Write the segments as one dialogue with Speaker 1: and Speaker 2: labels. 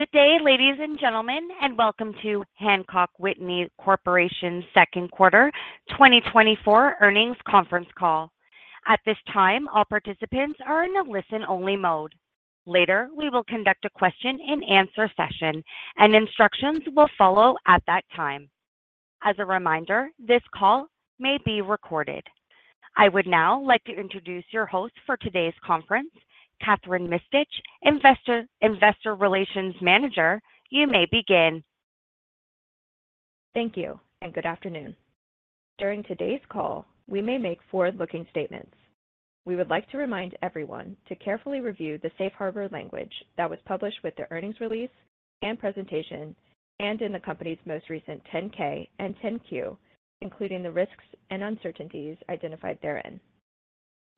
Speaker 1: Good day, ladies and gentlemen, and welcome to Hancock Whitney Corporation's Second Quarter 2024 Earnings Conference Call. At this time, all participants are in a listen-only mode. Later, we will conduct a question-and-answer session, and instructions will follow at that time. As a reminder, this call may be recorded. I would now like to introduce your host for today's conference, Kathryn Mistich, Investor Relations Manager. You may begin.
Speaker 2: Thank you, and good afternoon. During today's call, we may make forward-looking statements. We would like to remind everyone to carefully review the safe harbor language that was published with the earnings release and presentation, and in the company's most recent 10-K and 10-Q, including the risks and uncertainties identified therein.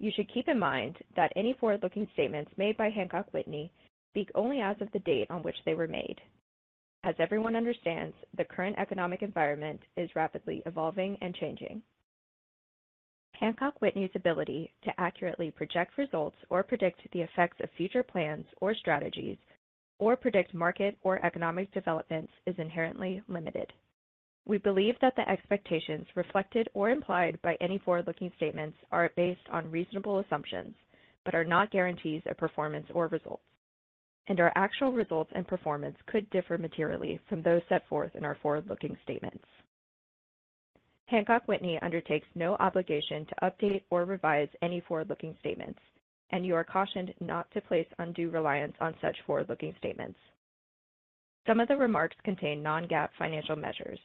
Speaker 2: You should keep in mind that any forward-looking statements made by Hancock Whitney speak only as of the date on which they were made. As everyone understands, the current economic environment is rapidly evolving and changing. Hancock Whitney's ability to accurately project results or predict the effects of future plans or strategies or predict market or economic developments is inherently limited. We believe that the expectations reflected or implied by any forward-looking statements are based on reasonable assumptions, but are not guarantees of performance or results. Our actual results and performance could differ materially from those set forth in our forward-looking statements. Hancock Whitney undertakes no obligation to update or revise any forward-looking statements, and you are cautioned not to place undue reliance on such forward-looking statements. Some of the remarks contain non-GAAP financial measures.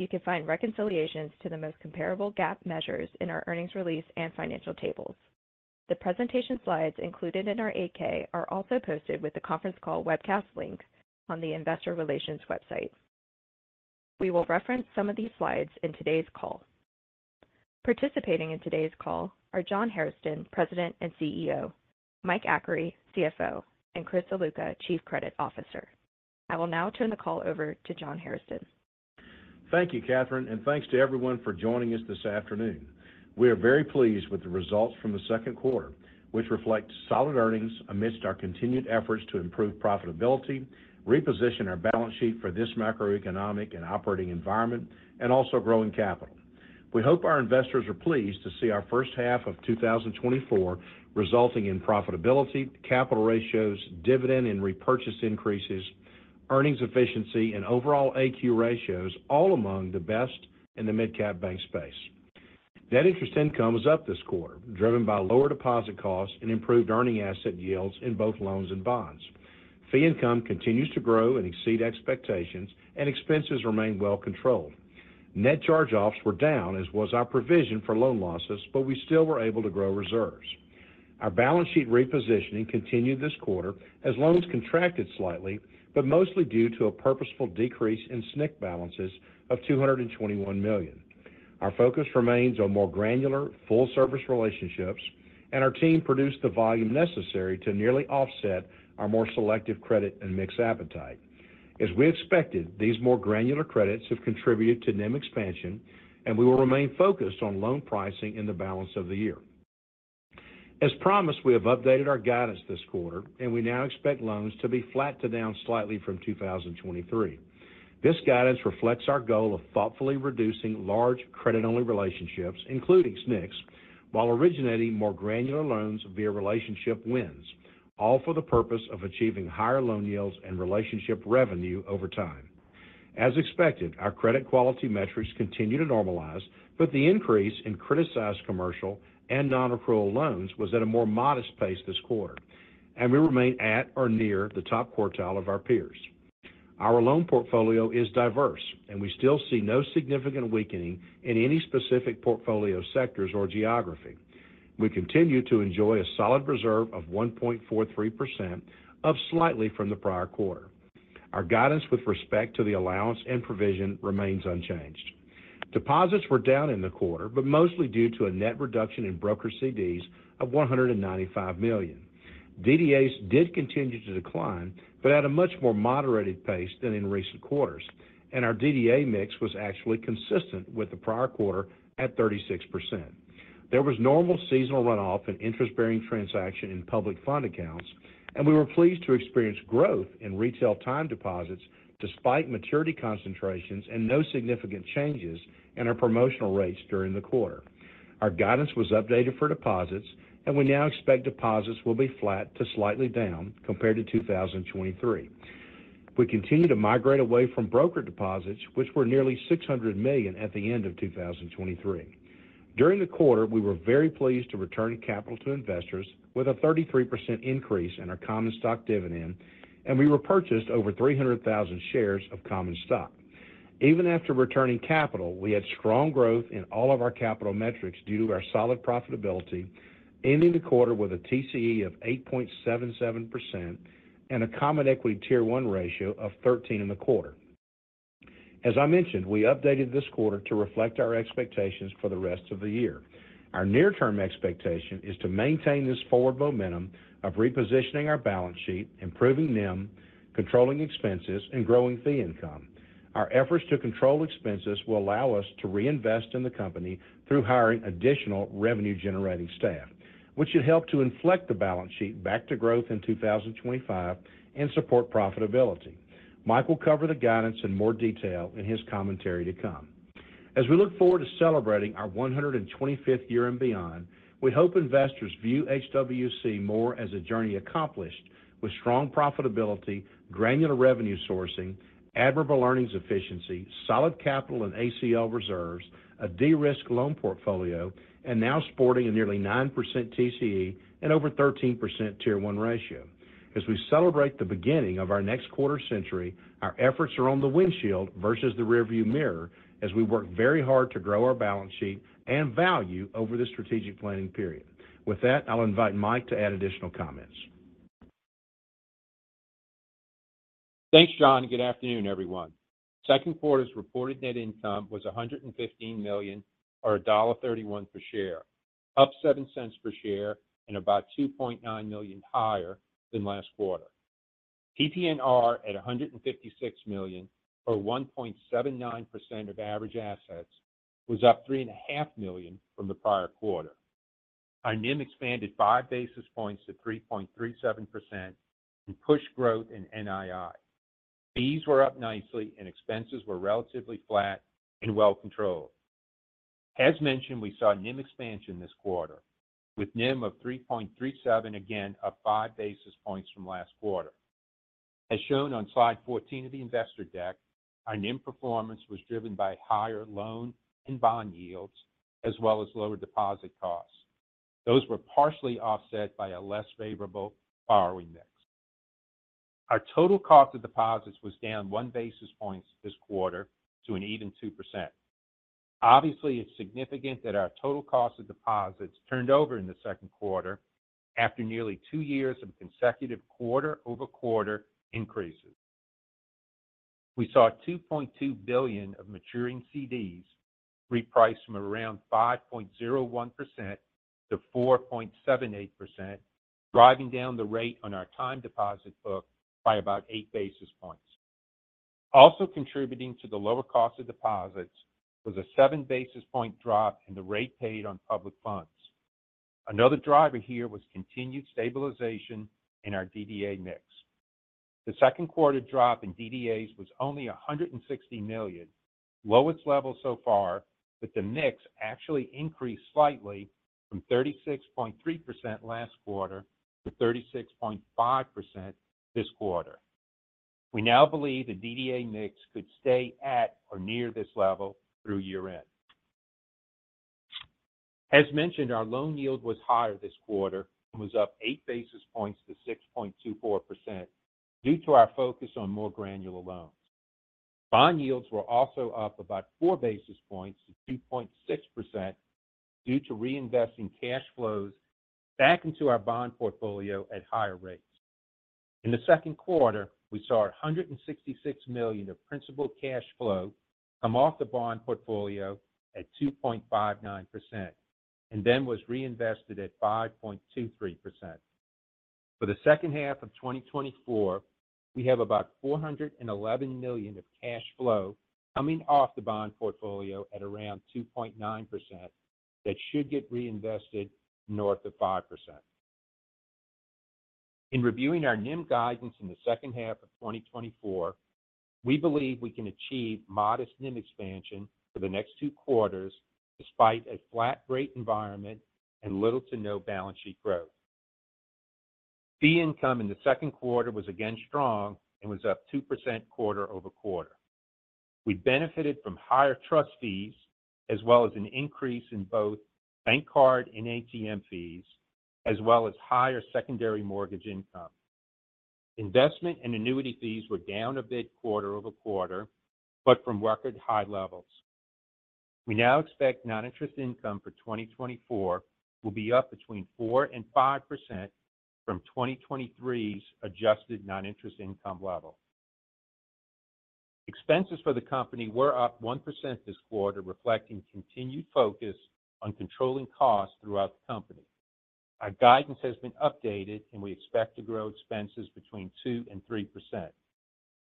Speaker 2: You can find reconciliations to the most comparable GAAP measures in our earnings release and financial tables. The presentation slides included in our 8-K are also posted with the conference call webcast links on the investor relations website. We will reference some of these slides in today's call. Participating in today's call are John Hairston, President and CEO, Mike Achary, CFO, and Chris Ziluca, Chief Credit Officer. I will now turn the call over to John Hairston.
Speaker 3: Thank you, Kathryn, and thanks to everyone for joining us this afternoon. We are very pleased with the results from the second quarter, which reflect solid earnings amidst our continued efforts to improve profitability, reposition our balance sheet for this macroeconomic and operating environment, and also growing capital. We hope our investors are pleased to see our first half of 2024 resulting in profitability, capital ratios, dividend and repurchase increases, earnings efficiency, and overall AQ ratios, all among the best in the midcap bank space. Net interest income is up this quarter, driven by lower deposit costs and improved earning asset yields in both loans and bonds. Fee income continues to grow and exceed expectations, and expenses remain well controlled. Net charge-offs were down, as was our provision for loan losses, but we still were able to grow reserves. Our balance sheet repositioning continued this quarter as loans contracted slightly, but mostly due to a purposeful decrease in SNC balances of $221 million. Our focus remains on more granular, full-service relationships, and our team produced the volume necessary to nearly offset our more selective credit and mix appetite. As we expected, these more granular credits have contributed to NIM expansion, and we will remain focused on loan pricing in the balance of the year. As promised, we have updated our guidance this quarter, and we now expect loans to be flat to down slightly from 2023. This guidance reflects our goal of thoughtfully reducing large credit-only relationships, including SNCs, while originating more granular loans via relationship wins, all for the purpose of achieving higher loan yields and relationship revenue over time. As expected, our credit quality metrics continue to normalize, but the increase in criticized commercial and non-accrual loans was at a more modest pace this quarter, and we remain at or near the top quartile of our peers. Our loan portfolio is diverse, and we still see no significant weakening in any specific portfolio sectors or geography. We continue to enjoy a solid reserve of 1.43%, up slightly from the prior quarter. Our guidance with respect to the allowance and provision remains unchanged. Deposits were down in the quarter, but mostly due to a net reduction in broker CDs of $195 million. DDAs did continue to decline, but at a much more moderated pace than in recent quarters, and our DDA mix was actually consistent with the prior quarter at 36%. There was normal seasonal runoff and interest-bearing transaction in public fund accounts, and we were pleased to experience growth in retail time deposits despite maturity concentrations and no significant changes in our promotional rates during the quarter. Our guidance was updated for deposits, and we now expect deposits will be flat to slightly down compared to 2023. We continue to migrate away from broker deposits, which were nearly $600 million at the end of 2023. During the quarter, we were very pleased to return capital to investors with a 33% increase in our common stock dividend, and we repurchased over 300,000 shares of common stock. Even after returning capital, we had strong growth in all of our capital metrics due to our solid profitability, ending the quarter with a TCE of 8.77% and a Common Equity Tier 1 ratio of 13.25. As I mentioned, we updated this quarter to reflect our expectations for the rest of the year. Our near-term expectation is to maintain this forward momentum of repositioning our balance sheet, improving NIM, controlling expenses, and growing fee income.... Our efforts to control expenses will allow us to reinvest in the company through hiring additional revenue-generating staff, which should help to inflect the balance sheet back to growth in 2025 and support profitability. Mike will cover the guidance in more detail in his commentary to come. As we look forward to celebrating our 125th year and beyond, we hope investors view HWC more as a journey accomplished with strong profitability, granular revenue sourcing, admirable earnings efficiency, solid capital and ACL reserves, a de-risked loan portfolio, and now sporting a nearly 9% TCE and over 13% Tier 1 ratio. As we celebrate the beginning of our next quarter century, our efforts are on the windshield versus the rearview mirror, as we work very hard to grow our balance sheet and value over this strategic planning period. With that, I'll invite Mike to add additional comments.
Speaker 4: Thanks, John, and good afternoon, everyone. Second quarter's reported net income was $115 million, or $1.31 per share, up $0.7 per share and about $2.9 million higher than last quarter. PPNR at $156 million, or 1.79% of average assets, was up $3.5 million from the prior quarter. Our NIM expanded 5 basis points to 3.37% and pushed growth in NII. Fees were up nicely and expenses were relatively flat and well controlled. As mentioned, we saw NIM expansion this quarter, with NIM of 3.37%, again, up 5 basis points from last quarter. As shown on slide 14 of the investor deck, our NIM performance was driven by higher loan and bond yields, as well as lower deposit costs. Those were partially offset by a less favorable borrowing mix. Our total cost of deposits was down 1 basis point this quarter to an even 2%. Obviously, it's significant that our total cost of deposits turned over in the second quarter after nearly two years of consecutive quarter-over-quarter increases. We saw $2.2 billion of maturing CDs repriced from around 5.01%-4.78%, driving down the rate on our time deposit book by about 8 basis points. Also contributing to the lower cost of deposits was a 7 basis point drop in the rate paid on public funds. Another driver here was continued stabilization in our DDA mix. The second quarter drop in DDAs was only $160 million, lowest level so far, but the mix actually increased slightly from 36.3% last quarter to 36.5% this quarter. We now believe the DDA mix could stay at or near this level through year-end. As mentioned, our loan yield was higher this quarter and was up 8 basis points to 6.24% due to our focus on more granular loans. Bond yields were also up about 4 basis points to 2.6% due to reinvesting cash flows back into our bond portfolio at higher rates. In the second quarter, we saw $166 million of principal cash flow come off the bond portfolio at 2.59%, and then was reinvested at 5.23%. For the second half of 2024, we have about $411 million of cash flow coming off the bond portfolio at around 2.9%, that should get reinvested north of 5%. In reviewing our NIM guidance in the second half of 2024, we believe we can achieve modest NIM expansion for the next two quarters, despite a flat rate environment and little to no balance sheet growth. Fee income in the second quarter was again strong and was up 2% quarter-over-quarter. We benefited from higher trust fees, as well as an increase in both bank card and ATM fees, as well as higher secondary mortgage income. Investment and annuity fees were down a bit quarter-over-quarter, but from record high levels. We now expect non-interest income for 2024 will be up between 4% and 5% from 2023's adjusted non-interest income level. Expenses for the company were up 1% this quarter, reflecting continued focus on controlling costs throughout the company. Our guidance has been updated, and we expect to grow expenses between 2% and 3%.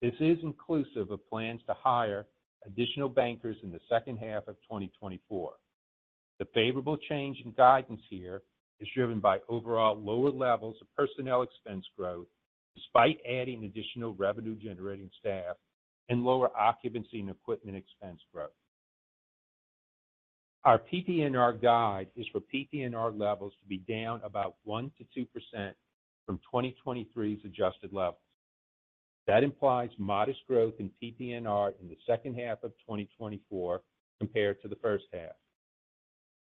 Speaker 4: This is inclusive of plans to hire additional bankers in the second half of 2024. The favorable change in guidance here is driven by overall lower levels of personnel expense growth, despite adding additional revenue-generating staff and lower occupancy and equipment expense growth. Our PPNR guide is for PPNR levels to be down about 1%-2% from 2023's adjusted levels. That implies modest growth in PPNR in the second half of 2024 compared to the first half.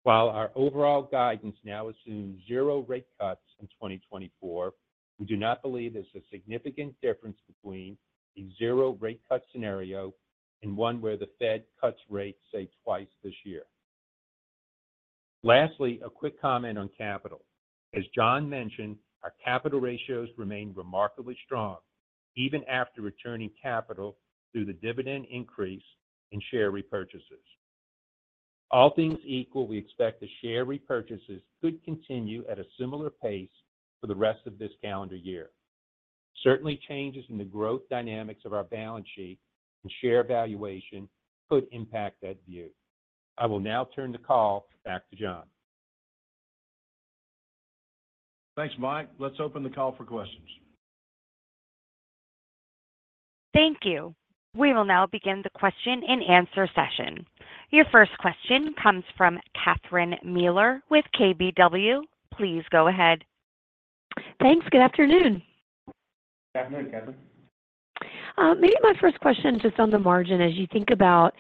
Speaker 4: While our overall guidance now assumes zero rate cuts in 2024, we do not believe there's a significant difference between a zero rate cut scenario and one where the Fed cuts rates, say, twice this year. Lastly, a quick comment on capital. As John mentioned, our capital ratios remain remarkably strong, even after returning capital through the dividend increase and share repurchases. All things equal, we expect the share repurchases could continue at a similar pace for the rest of this calendar year. Certainly, changes in the growth dynamics of our balance sheet and share valuation could impact that view. I will now turn the call back to John.
Speaker 3: Thanks, Mike. Let's open the call for questions.
Speaker 1: Thank you. We will now begin the question-and-answer session. Your first question comes from Catherine Mealor with KBW. Please go ahead.
Speaker 5: Thanks. Good afternoon.
Speaker 4: Good afternoon, Catherine.
Speaker 5: Maybe my first question, just on the margin, as you think about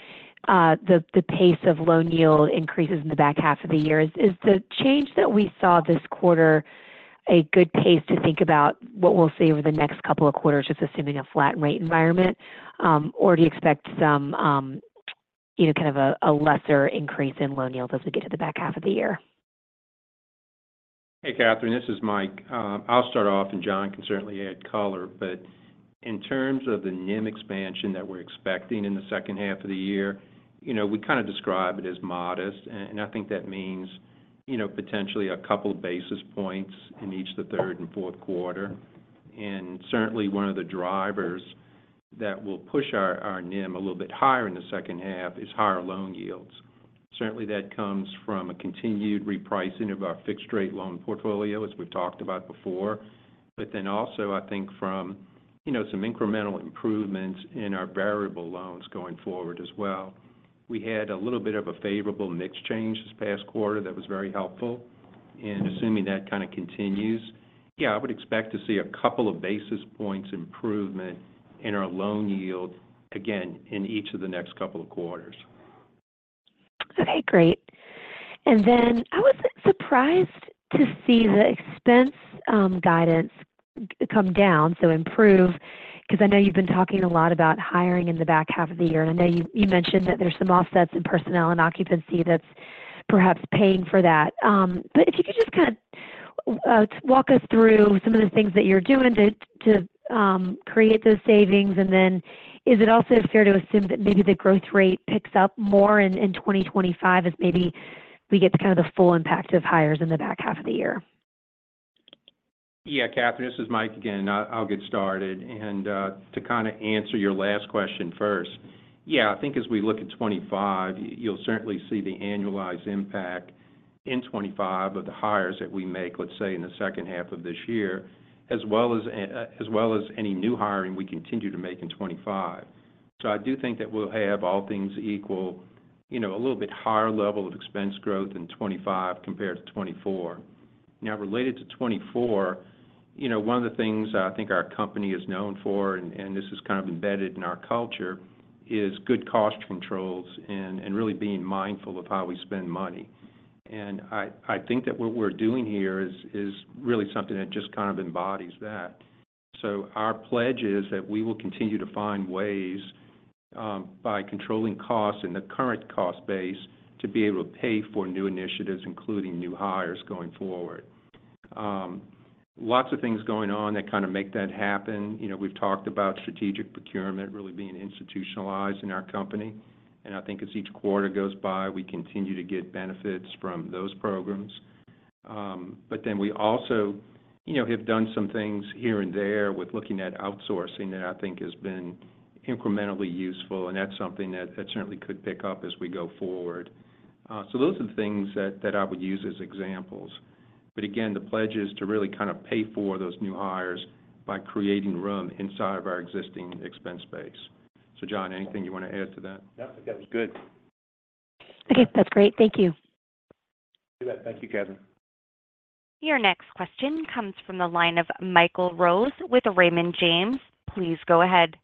Speaker 5: the pace of loan yield increases in the back half of the year, is the change that we saw this quarter a good pace to think about what we'll see over the next couple of quarters, just assuming a flat rate environment? Or do you expect some, you know, kind of a lesser increase in loan yield as we get to the back half of the year?
Speaker 4: Hey, Catherine, this is Mike. I'll start off, and John can certainly add color. But in terms of the NIM expansion that we're expecting in the second half of the year, you know, we kind of describe it as modest, and I think that means, you know, potentially a couple basis points in each, the third and fourth quarter. And certainly, one of the drivers that will push our NIM a little bit higher in the second half is higher loan yields. Certainly, that comes from a continued repricing of our fixed-rate loan portfolio, as we've talked about before. But then also, I think from, you know, some incremental improvements in our variable loans going forward as well. We had a little bit of a favorable mix change this past quarter that was very helpful. Assuming that kind of continues, yeah, I would expect to see a couple of basis points improvement in our loan yield, again, in each of the next couple of quarters.
Speaker 5: Okay, great. And then I was surprised to see the expense guidance come down, so improve, because I know you've been talking a lot about hiring in the back half of the year. And I know you mentioned that there's some offsets in personnel and occupancy that's perhaps paying for that. But if you could just kind of walk us through some of the things that you're doing to create those savings, and then is it also fair to assume that maybe the growth rate picks up more in 2025 as maybe we get to kind of the full impact of hires in the back half of the year?
Speaker 4: Yeah, Catherine, this is Mike again. I'll get started. And, to kind of answer your last question first. Yeah, I think as we look at 2025, you'll certainly see the annualized impact in 2025 of the hires that we make, let's say, in the second half of this year, as well as any new hiring we continue to make in 2025. So I do think that we'll have all things equal, you know, a little bit higher level of expense growth in 2025 compared to 2024. Now, related to 2024, you know, one of the things I think our company is known for, and this is kind of embedded in our culture, is good cost controls and really being mindful of how we spend money. I think that what we're doing here is really something that just kind of embodies that. Our pledge is that we will continue to find ways by controlling costs in the current cost base, to be able to pay for new initiatives, including new hires, going forward. Lots of things going on that kind of make that happen. You know, we've talked about strategic procurement really being institutionalized in our company, and I think as each quarter goes by, we continue to get benefits from those programs. But then we also, you know, have done some things here and there with looking at outsourcing that I think has been incrementally useful, and that's something that certainly could pick up as we go forward. Those are the things that I would use as examples. But again, the pledge is to really kind of pay for those new hires by creating room inside of our existing expense base. So, John, anything you want to add to that?
Speaker 3: No, I think that was good.
Speaker 5: Okay, that's great. Thank you.
Speaker 3: Thank you, Kathryn.
Speaker 1: Your next question comes from the line of Michael Rose with Raymond James. Please go ahead.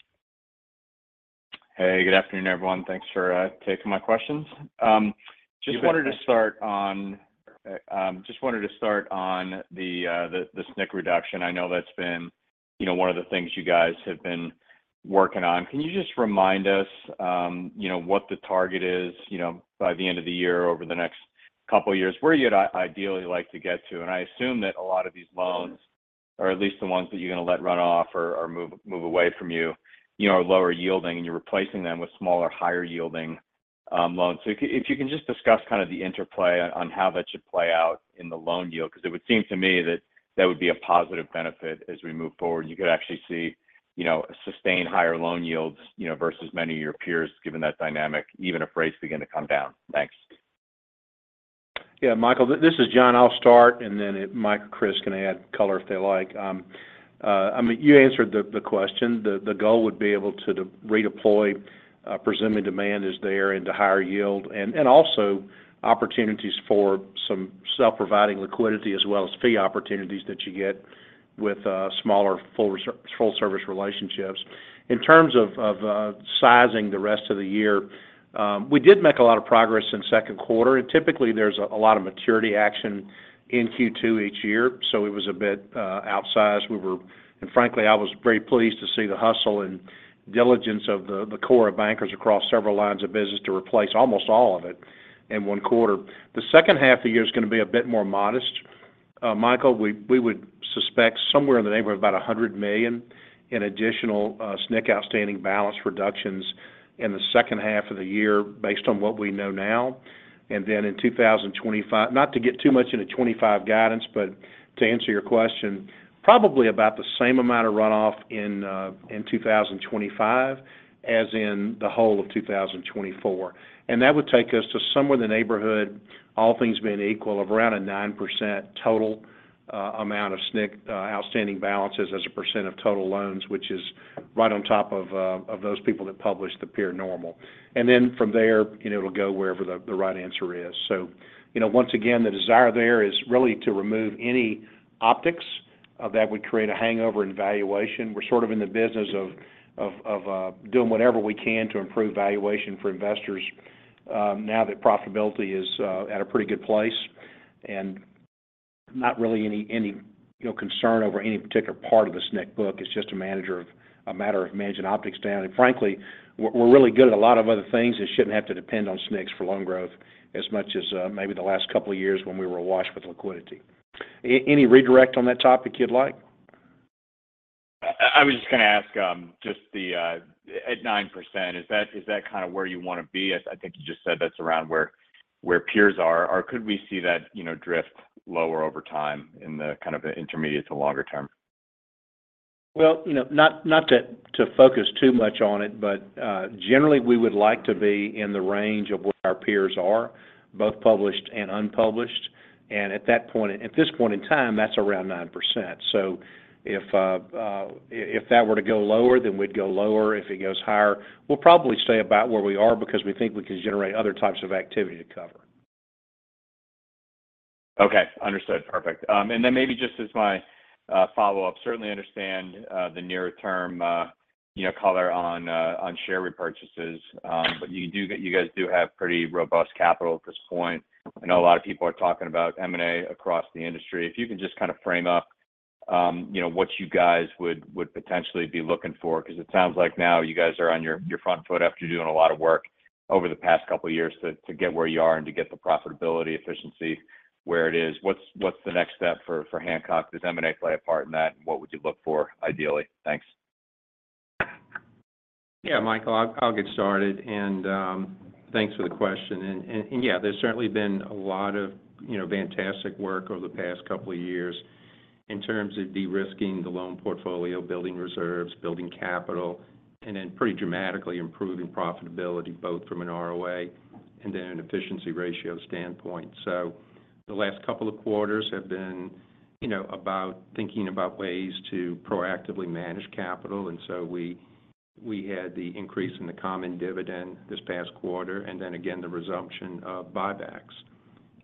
Speaker 6: Hey, good afternoon, everyone. Thanks for taking my questions. Just wanted to start on the SNC reduction. I know that's been, you know, one of the things you guys have been working on. Can you just remind us, you know, what the target is, you know, by the end of the year, over the next couple of years, where you'd ideally like to get to? And I assume that a lot of these loans, or at least the ones that you're going to let run off or move away from you, you know, are lower yielding, and you're replacing them with smaller, higher-yielding loans. So if you can just discuss kind of the interplay on how that should play out in the loan yield, because it would seem to me that would be a positive benefit as we move forward. You could actually see, you know, sustained higher loan yields, you know, versus many of your peers, given that dynamic, even if rates begin to come down. Thanks.
Speaker 3: Yeah, Michael, this is John. I'll start, and then Mike or Chris can add color if they like. I mean, you answered the question. The goal would be able to redeploy, presumably demand is there into higher yield, and also opportunities for some self-providing liquidity, as well as fee opportunities that you get with smaller full service relationships. In terms of sizing the rest of the year, we did make a lot of progress in second quarter, and typically there's a lot of maturity action in Q2 each year, so it was a bit outsized. And frankly, I was very pleased to see the hustle and diligence of the core of bankers across several lines of business to replace almost all of it in one quarter. The second half of the year is going to be a bit more modest. Michael, we would suspect somewhere in the neighborhood of about $100 million in additional SNC outstanding balance reductions in the second half of the year, based on what we know now. Then in 2025, not to get too much into 25 guidance, but to answer your question, probably about the same amount of runoff in 2025 as in the whole of 2024. That would take us to somewhere in the neighborhood, all things being equal, of around a 9% total amount of SNC outstanding balances as a percent of total loans, which is right on top of those people that publish the peer normal. And then from there, you know, it'll go wherever the right answer is. So, you know, once again, the desire there is really to remove any optics that would create a hangover in valuation. We're sort of in the business of doing whatever we can to improve valuation for investors, now that profitability is at a pretty good place, and not really any, you know, concern over any particular part of the SNC book. It's just a matter of managing optics down. And frankly, we're really good at a lot of other things and shouldn't have to depend on SNCs for loan growth as much as maybe the last couple of years when we were awash with liquidity. Any redirect on that topic you'd like?
Speaker 6: I was just going to ask, just the, at 9%, is that, is that kind of where you want to be? I, I think you just said that's around where, where peers are. Or could we see that, you know, drift lower over time in the kind of the intermediate to longer term?
Speaker 3: Well, you know, not to focus too much on it, but generally, we would like to be in the range of where our peers are, both published and unpublished. And at that point, at this point in time, that's around 9%. So if that were to go lower, then we'd go lower. If it goes higher, we'll probably stay about where we are because we think we can generate other types of activity to cover.
Speaker 6: Okay, understood. Perfect. And then maybe just as my follow-up, certainly understand the near term, you know, color on share repurchases, but you guys do have pretty robust capital at this point. I know a lot of people are talking about M&A across the industry. If you can just kind of frame up, you know, what you guys would potentially be looking for, because it sounds like now you guys are on your front foot after doing a lot of work over the past couple of years to get where you are and to get the profitability, efficiency, where it is. What's the next step for Hancock? Does M&A play a part in that? And what would you look for, ideally? Thanks.
Speaker 4: Yeah, Michael, I'll get started, and thanks for the question. Yeah, there's certainly been a lot of, you know, fantastic work over the past couple of years in terms of de-risking the loan portfolio, building reserves, building capital, and then pretty dramatically improving profitability, both from an ROA and then an efficiency ratio standpoint. So the last couple of quarters have been, you know, about thinking about ways to proactively manage capital, and so we had the increase in the common dividend this past quarter, and then again, the resumption of buybacks.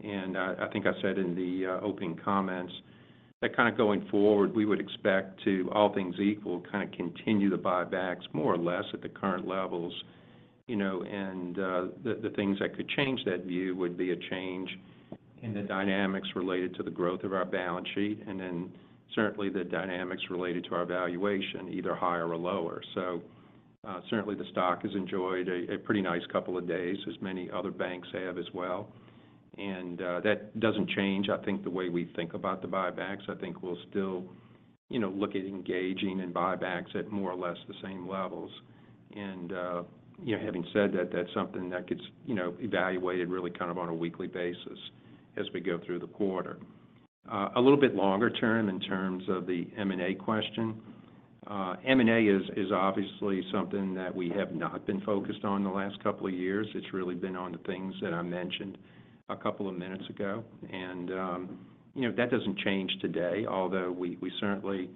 Speaker 4: And, I think I said in the, opening comments, that kind of going forward, we would expect to, all things equal, kind of continue the buybacks more or less at the current levels, you know, and, the, the things that could change that view would be a change in the dynamics related to the growth of our balance sheet, and then certainly the dynamics related to our valuation, either higher or lower. So, certainly, the stock has enjoyed a, a pretty nice couple of days, as many other banks have as well. And, that doesn't change, I think, the way we think about the buybacks. I think we'll still, you know, look at engaging in buybacks at more or less the same levels. You know, having said that, that's something that gets, you know, evaluated really kind of on a weekly basis as we go through the quarter. A little bit longer term in terms of the M&A question. M&A is obviously something that we have not been focused on the last couple of years. It's really been on the things that I mentioned a couple of minutes ago, and, you know, that doesn't change today, although we certainly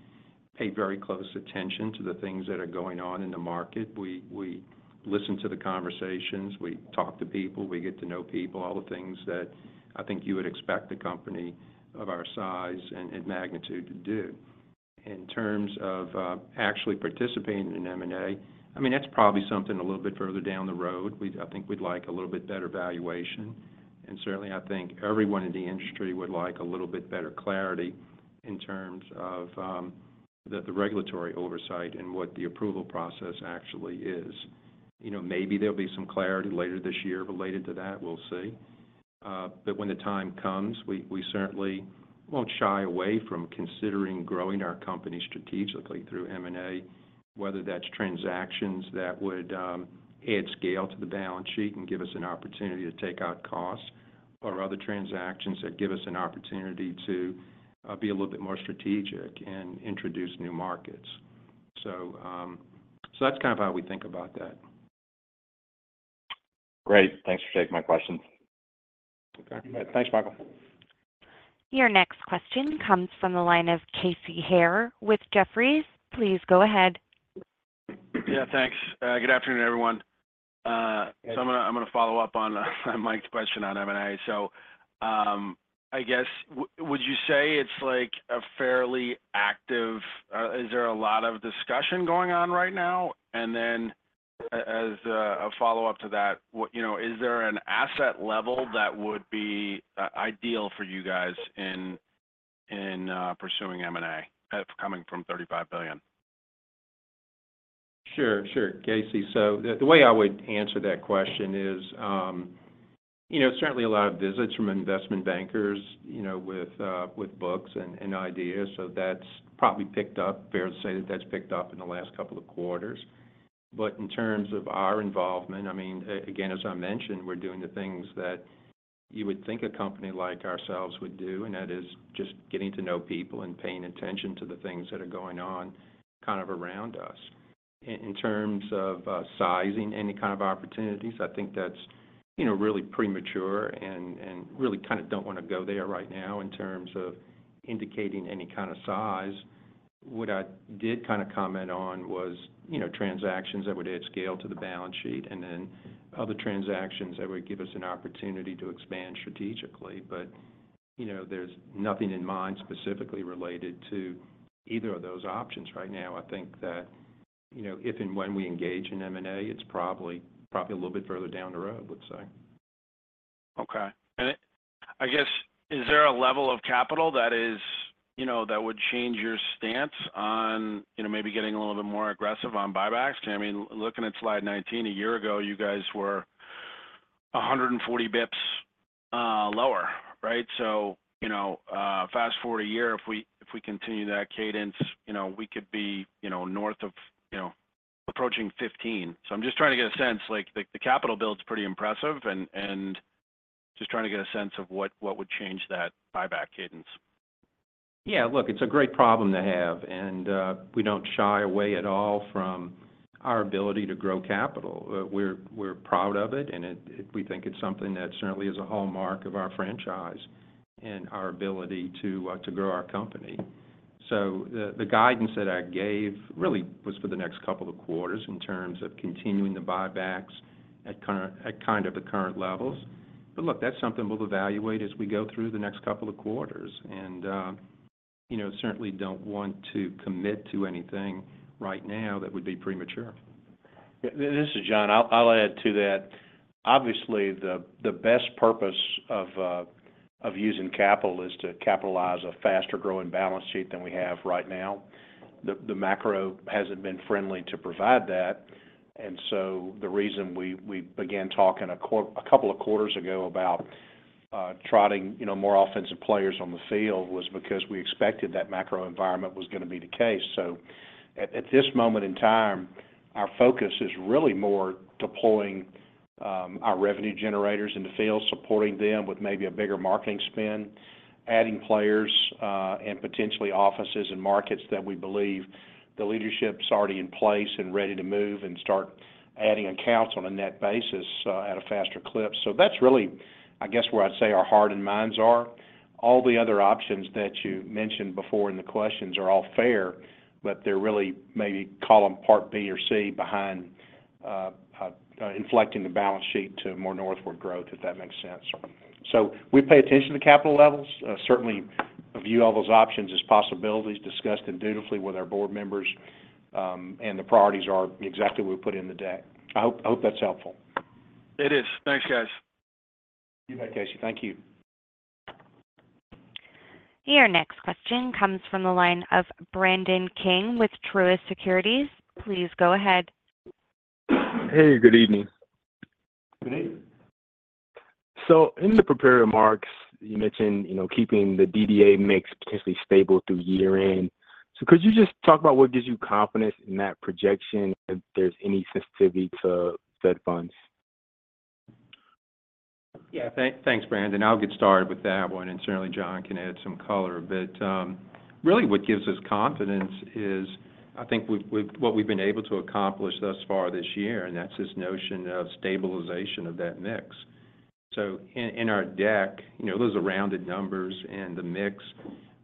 Speaker 4: pay very close attention to the things that are going on in the market. We listen to the conversations, we talk to people, we get to know people, all the things that I think you would expect a company of our size and magnitude to do. In terms of actually participating in M&A, I mean, that's probably something a little bit further down the road. We'd, I think we'd like a little bit better valuation, and certainly, I think everyone in the industry would like a little bit better clarity in terms of the regulatory oversight and what the approval process actually is. You know, maybe there'll be some clarity later this year related to that, we'll see. But when the time comes, we certainly won't shy away from considering growing our company strategically through M&A, whether that's transactions that would add scale to the balance sheet and give us an opportunity to take out costs, or other transactions that give us an opportunity to be a little bit more strategic and introduce new markets. So, so that's kind of how we think about that.
Speaker 6: Great. Thanks for taking my questions.
Speaker 4: Okay.
Speaker 3: Thanks, Michael.
Speaker 1: Your next question comes from the line of Casey Haire with Jefferies. Please go ahead.
Speaker 7: Yeah, thanks. Good afternoon, everyone. So I'm gonna follow up on Mike's question on M&A. So, I guess, would you say it's like a fairly active? Is there a lot of discussion going on right now? And then, as a follow-up to that, you know, is there an asset level that would be ideal for you guys in pursuing M&A, coming from $35 billion?...
Speaker 4: Sure, sure, Casey. So the way I would answer that question is, you know, certainly a lot of visits from investment bankers, you know, with books and ideas. So that's probably picked up. Fair to say that that's picked up in the last couple of quarters. But in terms of our involvement, I mean, again, as I mentioned, we're doing the things that you would think a company like ourselves would do, and that is just getting to know people and paying attention to the things that are going on kind of around us. In terms of sizing any kind of opportunities, I think that's, you know, really premature and really kind of don't wanna go there right now in terms of indicating any kind of size. What I did kind of comment on was, you know, transactions that would add scale to the balance sheet, and then other transactions that would give us an opportunity to expand strategically. But, you know, there's nothing in mind specifically related to either of those options right now. I think that, you know, if and when we engage in M&A, it's probably, probably a little bit further down the road, I would say.
Speaker 7: Okay. I guess, is there a level of capital that is, you know, that would change your stance on, you know, maybe getting a little bit more aggressive on buybacks? I mean, looking at slide 19, a year ago, you guys were 140 bps lower, right? So, you know, fast forward a year, if we, if we continue that cadence, you know, we could be, you know, north of, you know, approaching 15. So I'm just trying to get a sense, like, the, the capital build's pretty impressive, and, and just trying to get a sense of what, what would change that buyback cadence.
Speaker 4: Yeah, look, it's a great problem to have, and we don't shy away at all from our ability to grow capital. We're proud of it, and we think it's something that certainly is a hallmark of our franchise and our ability to grow our company. So the guidance that I gave really was for the next couple of quarters in terms of continuing the buybacks at kind of the current levels. But look, that's something we'll evaluate as we go through the next couple of quarters. And you know, certainly don't want to commit to anything right now that would be premature.
Speaker 3: This is John. I'll add to that. Obviously, the best purpose of using capital is to capitalize a faster growing balance sheet than we have right now. The macro hasn't been friendly to provide that, and so the reason we began talking a couple of quarters ago about trotting, you know, more offensive players on the field was because we expected that macro environment was gonna be the case. So at this moment in time, our focus is really more deploying our revenue generators in the field, supporting them with maybe a bigger marketing spend, adding players, and potentially offices and markets that we believe the leadership's already in place and ready to move, and start adding accounts on a net basis at a faster clip. So that's really, I guess, where I'd say our heart and minds are. All the other options that you mentioned before in the questions are all fair, but they're really maybe column part B or C behind inflecting the balance sheet to more northward growth, if that makes sense. So we pay attention to capital levels, certainly view all those options as possibilities, discuss them dutifully with our board members, and the priorities are exactly what we put in the deck. I hope, I hope that's helpful.
Speaker 7: It is. Thanks, guys.
Speaker 3: You bet, Casey. Thank you.
Speaker 1: Your next question comes from the line of Brandon King with Truist Securities. Please go ahead.
Speaker 8: Hey, good evening.
Speaker 3: Good evening.
Speaker 8: So in the prepared remarks, you mentioned, you know, keeping the DDA mix potentially stable through year-end. So could you just talk about what gives you confidence in that projection, if there's any sensitivity to Fed funds?
Speaker 4: Yeah. Thanks, Brandon. I'll get started with that one, and certainly John can add some color. But really, what gives us confidence is, I think what we've been able to accomplish thus far this year, and that's this notion of stabilization of that mix. So in our deck, you know, those are rounded numbers and the mix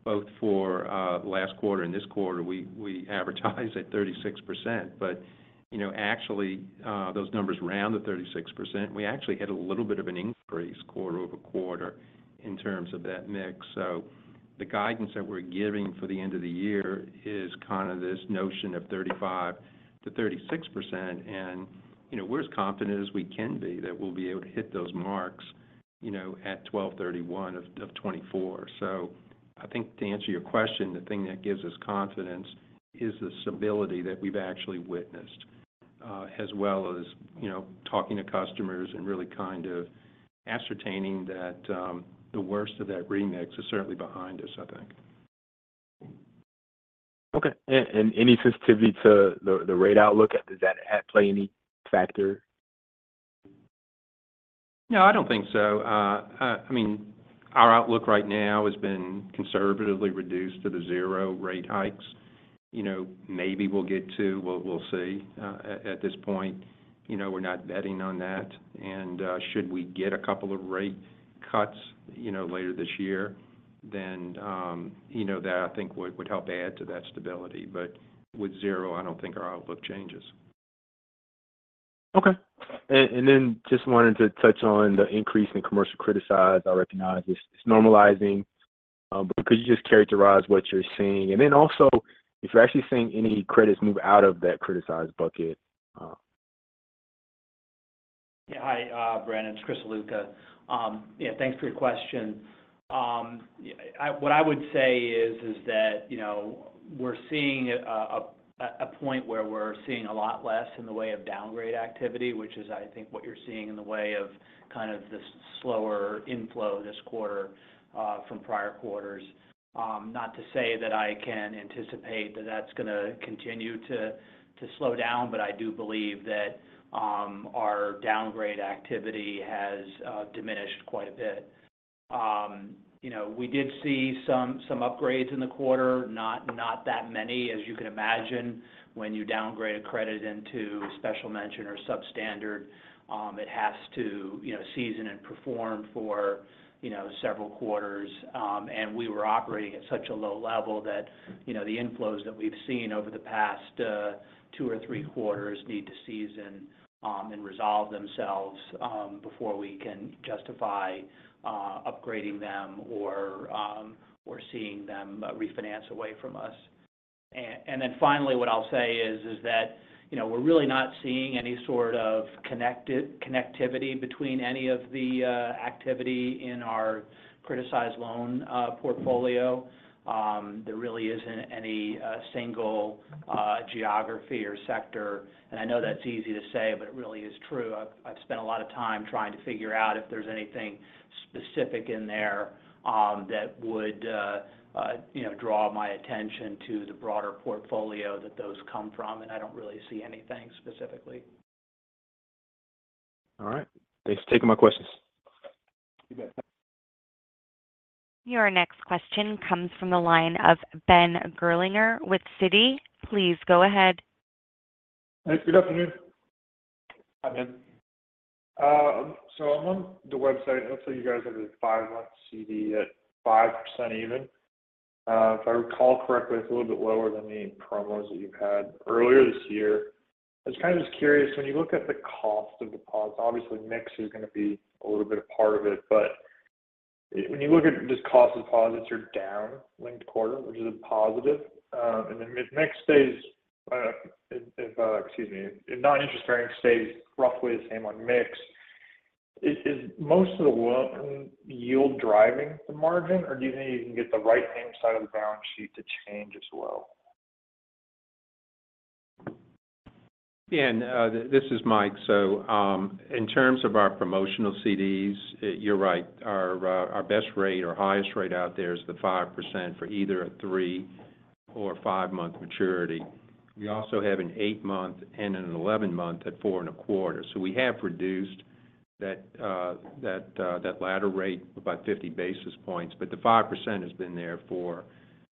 Speaker 4: both for last quarter and this quarter, we advertise at 36%. But you know, actually, those numbers round to 36%. We actually had a little bit of an increase quarter-over-quarter in terms of that mix. So the guidance that we're giving for the end of the year is kind of this notion of 35%-36%, and, you know, we're as confident as we can be that we'll be able to hit those marks, you know, at 12/31/2024. So I think to answer your question, the thing that gives us confidence is the stability that we've actually witnessed, as well as, you know, talking to customers and really kind of ascertaining that, the worst of that remix is certainly behind us, I think.
Speaker 8: Okay. And any sensitivity to the rate outlook? Does that play any factor?
Speaker 4: No, I don't think so. I mean, our outlook right now has been conservatively reduced to the zero rate hikes. You know, maybe we'll get to, well, we'll see. At this point, you know, we're not betting on that. And should we get a couple of rate cuts, you know, later this year, then, you know, that, I think, would help add to that stability. But with zero, I don't think our outlook changes.
Speaker 8: Okay. And then just wanted to touch on the increase in commercial criticized. I recognize it's normalizing, but could you just characterize what you're seeing? And then also, if you're actually seeing any credits move out of that credit size bucket?
Speaker 9: Yeah. Hi, Brandon, it's Chris Ziluca. Yeah, thanks for your question. Yeah, what I would say is that, you know, we're seeing a point where we're seeing a lot less in the way of downgrade activity, which is, I think, what you're seeing in the way of kind of this slower inflow this quarter from prior quarters. Not to say that I can anticipate that that's gonna continue to slow down, but I do believe that our downgrade activity has diminished quite a bit. You know, we did see some upgrades in the quarter, not that many. As you can imagine, when you downgrade a credit into special mention or substandard, it has to, you know, season and perform for, you know, several quarters. And we were operating at such a low level that, you know, the inflows that we've seen over the past two or three quarters need to season and resolve themselves before we can justify upgrading them or seeing them refinance away from us. And then finally, what I'll say is that, you know, we're really not seeing any sort of connectivity between any of the activity in our criticized loan portfolio. There really isn't any single geography or sector, and I know that's easy to say, but it really is true. I've spent a lot of time trying to figure out if there's anything specific in there that would, you know, draw my attention to the broader portfolio that those come from, and I don't really see anything specifically.
Speaker 8: All right. Thanks for taking my questions.
Speaker 9: You bet.
Speaker 1: Your next question comes from the line of Ben Gerlinger with Citi. Please go ahead.
Speaker 10: Hey, good afternoon.
Speaker 4: Hi, Ben.
Speaker 10: So on the website, it looks like you guys have a five-month CD at 5% even. If I recall correctly, it's a little bit lower than the promos that you've had earlier this year. I was kind of just curious, when you look at the cost of deposits, obviously, mix is going to be a little bit a part of it, but when you look at just cost of deposits, you're down, linked quarter, which is a positive, and then if mix stays, if non-interest bearing stays roughly the same on mix, is most of the work in yield driving the margin, or do you think you can get the right-hand side of the balance sheet to change as well?
Speaker 4: Yeah, and, this is Mike. So, in terms of our promotional CDs, you're right. Our best rate or highest rate out there is the 5% for either a three or five month maturity. We also have an eight month and an 11-month at 4.25. So we have reduced that latter rate by 50 basis points, but the 5% has been there for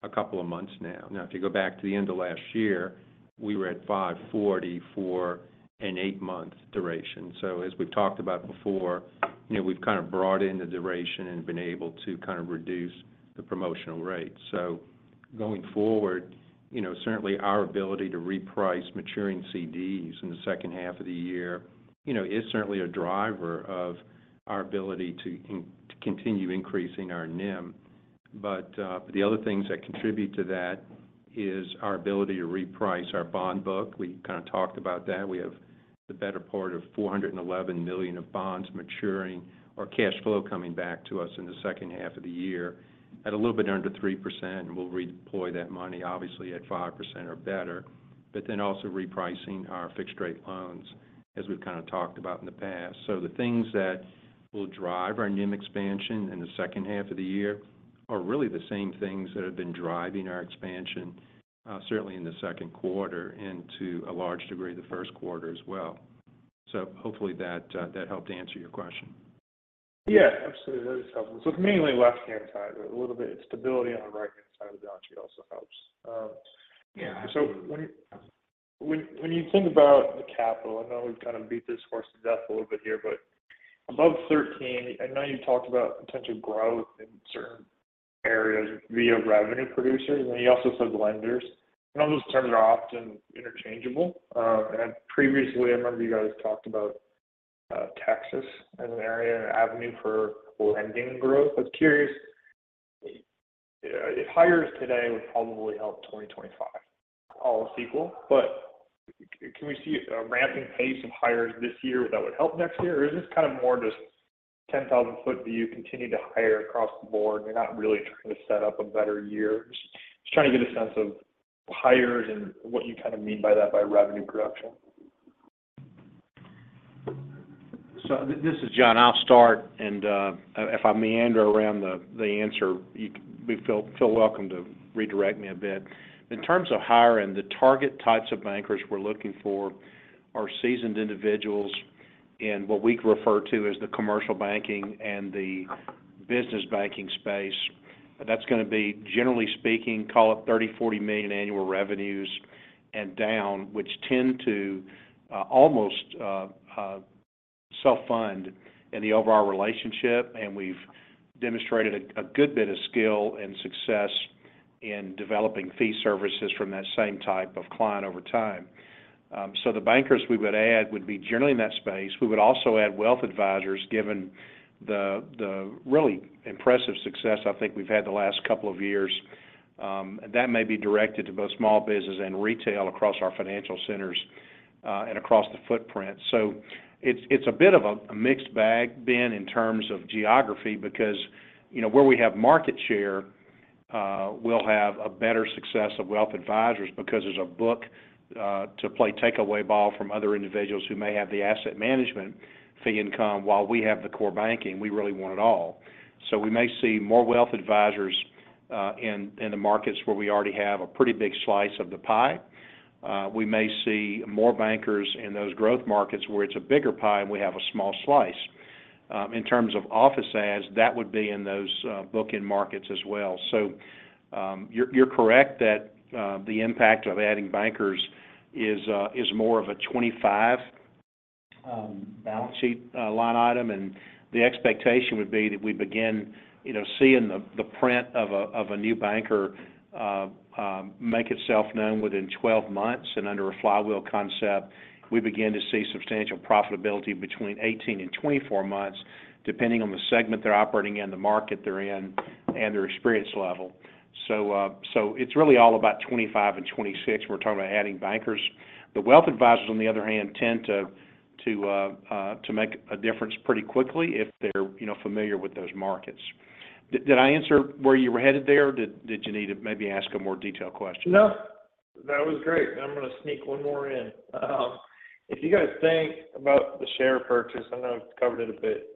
Speaker 4: a couple of months now. Now, if you go back to the end of last year, we were at 5.40 for an eight month duration. So as we've talked about before, you know, we've kind of brought in the duration and been able to kind of reduce the promotional rate. So going forward, you know, certainly our ability to reprice maturing CDs in the second half of the year, you know, is certainly a driver of our ability to continue increasing our NIM. But the other things that contribute to that is our ability to reprice our bond book. We kind of talked about that. We have the better part of $411 million of bonds maturing or cash flow coming back to us in the second half of the year at a little bit under 3%, and we'll redeploy that money, obviously, at 5% or better. But then also repricing our fixed-rate loans, as we've kind of talked about in the past. So the things that will drive our NIM expansion in the second half of the year are really the same things that have been driving our expansion, certainly in the second quarter, and to a large degree, the first quarter as well. So hopefully that helped to answer your question.
Speaker 10: Yeah, absolutely. That is helpful. So it's mainly left-hand side, but a little bit of stability on the right-hand side of the balance sheet also helps.
Speaker 4: Yeah, absolutely.
Speaker 10: So when you think about the capital, I know we've kind of beat this horse to death a little bit here, but above 13, I know you talked about potential growth in certain areas via revenue producers, and you also said lenders. I know those terms are often interchangeable, and previously, I remember you guys talked about Texas as an area and avenue for lending growth. I was curious, if hires today would probably help 2025 ACL, but can we see a ramping pace of hires this year that would help next year? Or is this kind of more just 10,000-foot view, continue to hire across the board? You're not really trying to set up a better year. Just trying to get a sense of hires and what you kind of mean by that, by revenue production.
Speaker 3: This is John. I'll start, and if I meander around the answer, you feel welcome to redirect me a bit. In terms of hiring, the target types of bankers we're looking for are seasoned individuals in what we refer to as the commercial banking and the business banking space. That's going to be, generally speaking, call it $30 million-$40 million annual revenues and down, which tend to almost self-fund in the overall relationship. And we've demonstrated a good bit of skill and success in developing fee services from that same type of client over time. So the bankers we would add would be generally in that space. We would also add wealth advisors, given the really impressive success I think we've had the last couple of years. That may be directed to both small business and retail across our financial centers, and across the footprint. So it's a bit of a mixed bag, Ben, in terms of geography, because, you know, where we have market share, we'll have a better success of wealth advisors, because there's a book to play takeaway ball from other individuals who may have the asset management fee income, while we have the core banking. We really want it all. So we may see more wealth advisors in the markets where we already have a pretty big slice of the pie. We may see more bankers in those growth markets, where it's a bigger pie, and we have a small slice. In terms of office adds, that would be in those book-end markets as well. So, you're correct that the impact of adding bankers is more of a 25 balance sheet line item. And the expectation would be that we begin, you know, seeing the print of a new banker make itself known within 12 months. And under a flywheel concept, we begin to see substantial profitability between 18 and 24 months, depending on the segment they're operating in, the market they're in, and their experience level. So, it's really all about 2025 and 2026, we're talking about adding bankers. The wealth advisors, on the other hand, tend to make a difference pretty quickly if they're, you know, familiar with those markets. Did I answer where you were headed there, or did you need to maybe ask a more detailed question?
Speaker 10: No, that was great. I'm going to sneak one more in. If you guys think about the share purchase, I know I've covered it a bit,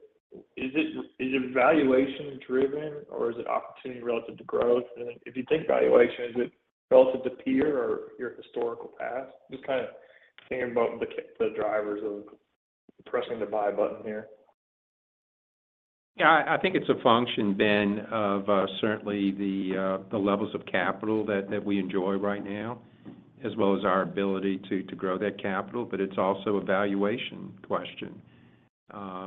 Speaker 10: is it valuation driven, or is it opportunity relative to growth? And if you think valuation, is it relative to peer or your historical past? Just kind of thinking about the drivers of pressing the buy button here.
Speaker 4: Yeah, I think it's a function, Ben, of certainly the levels of capital that we enjoy right now, as well as our ability to grow that capital, but it's also a valuation question.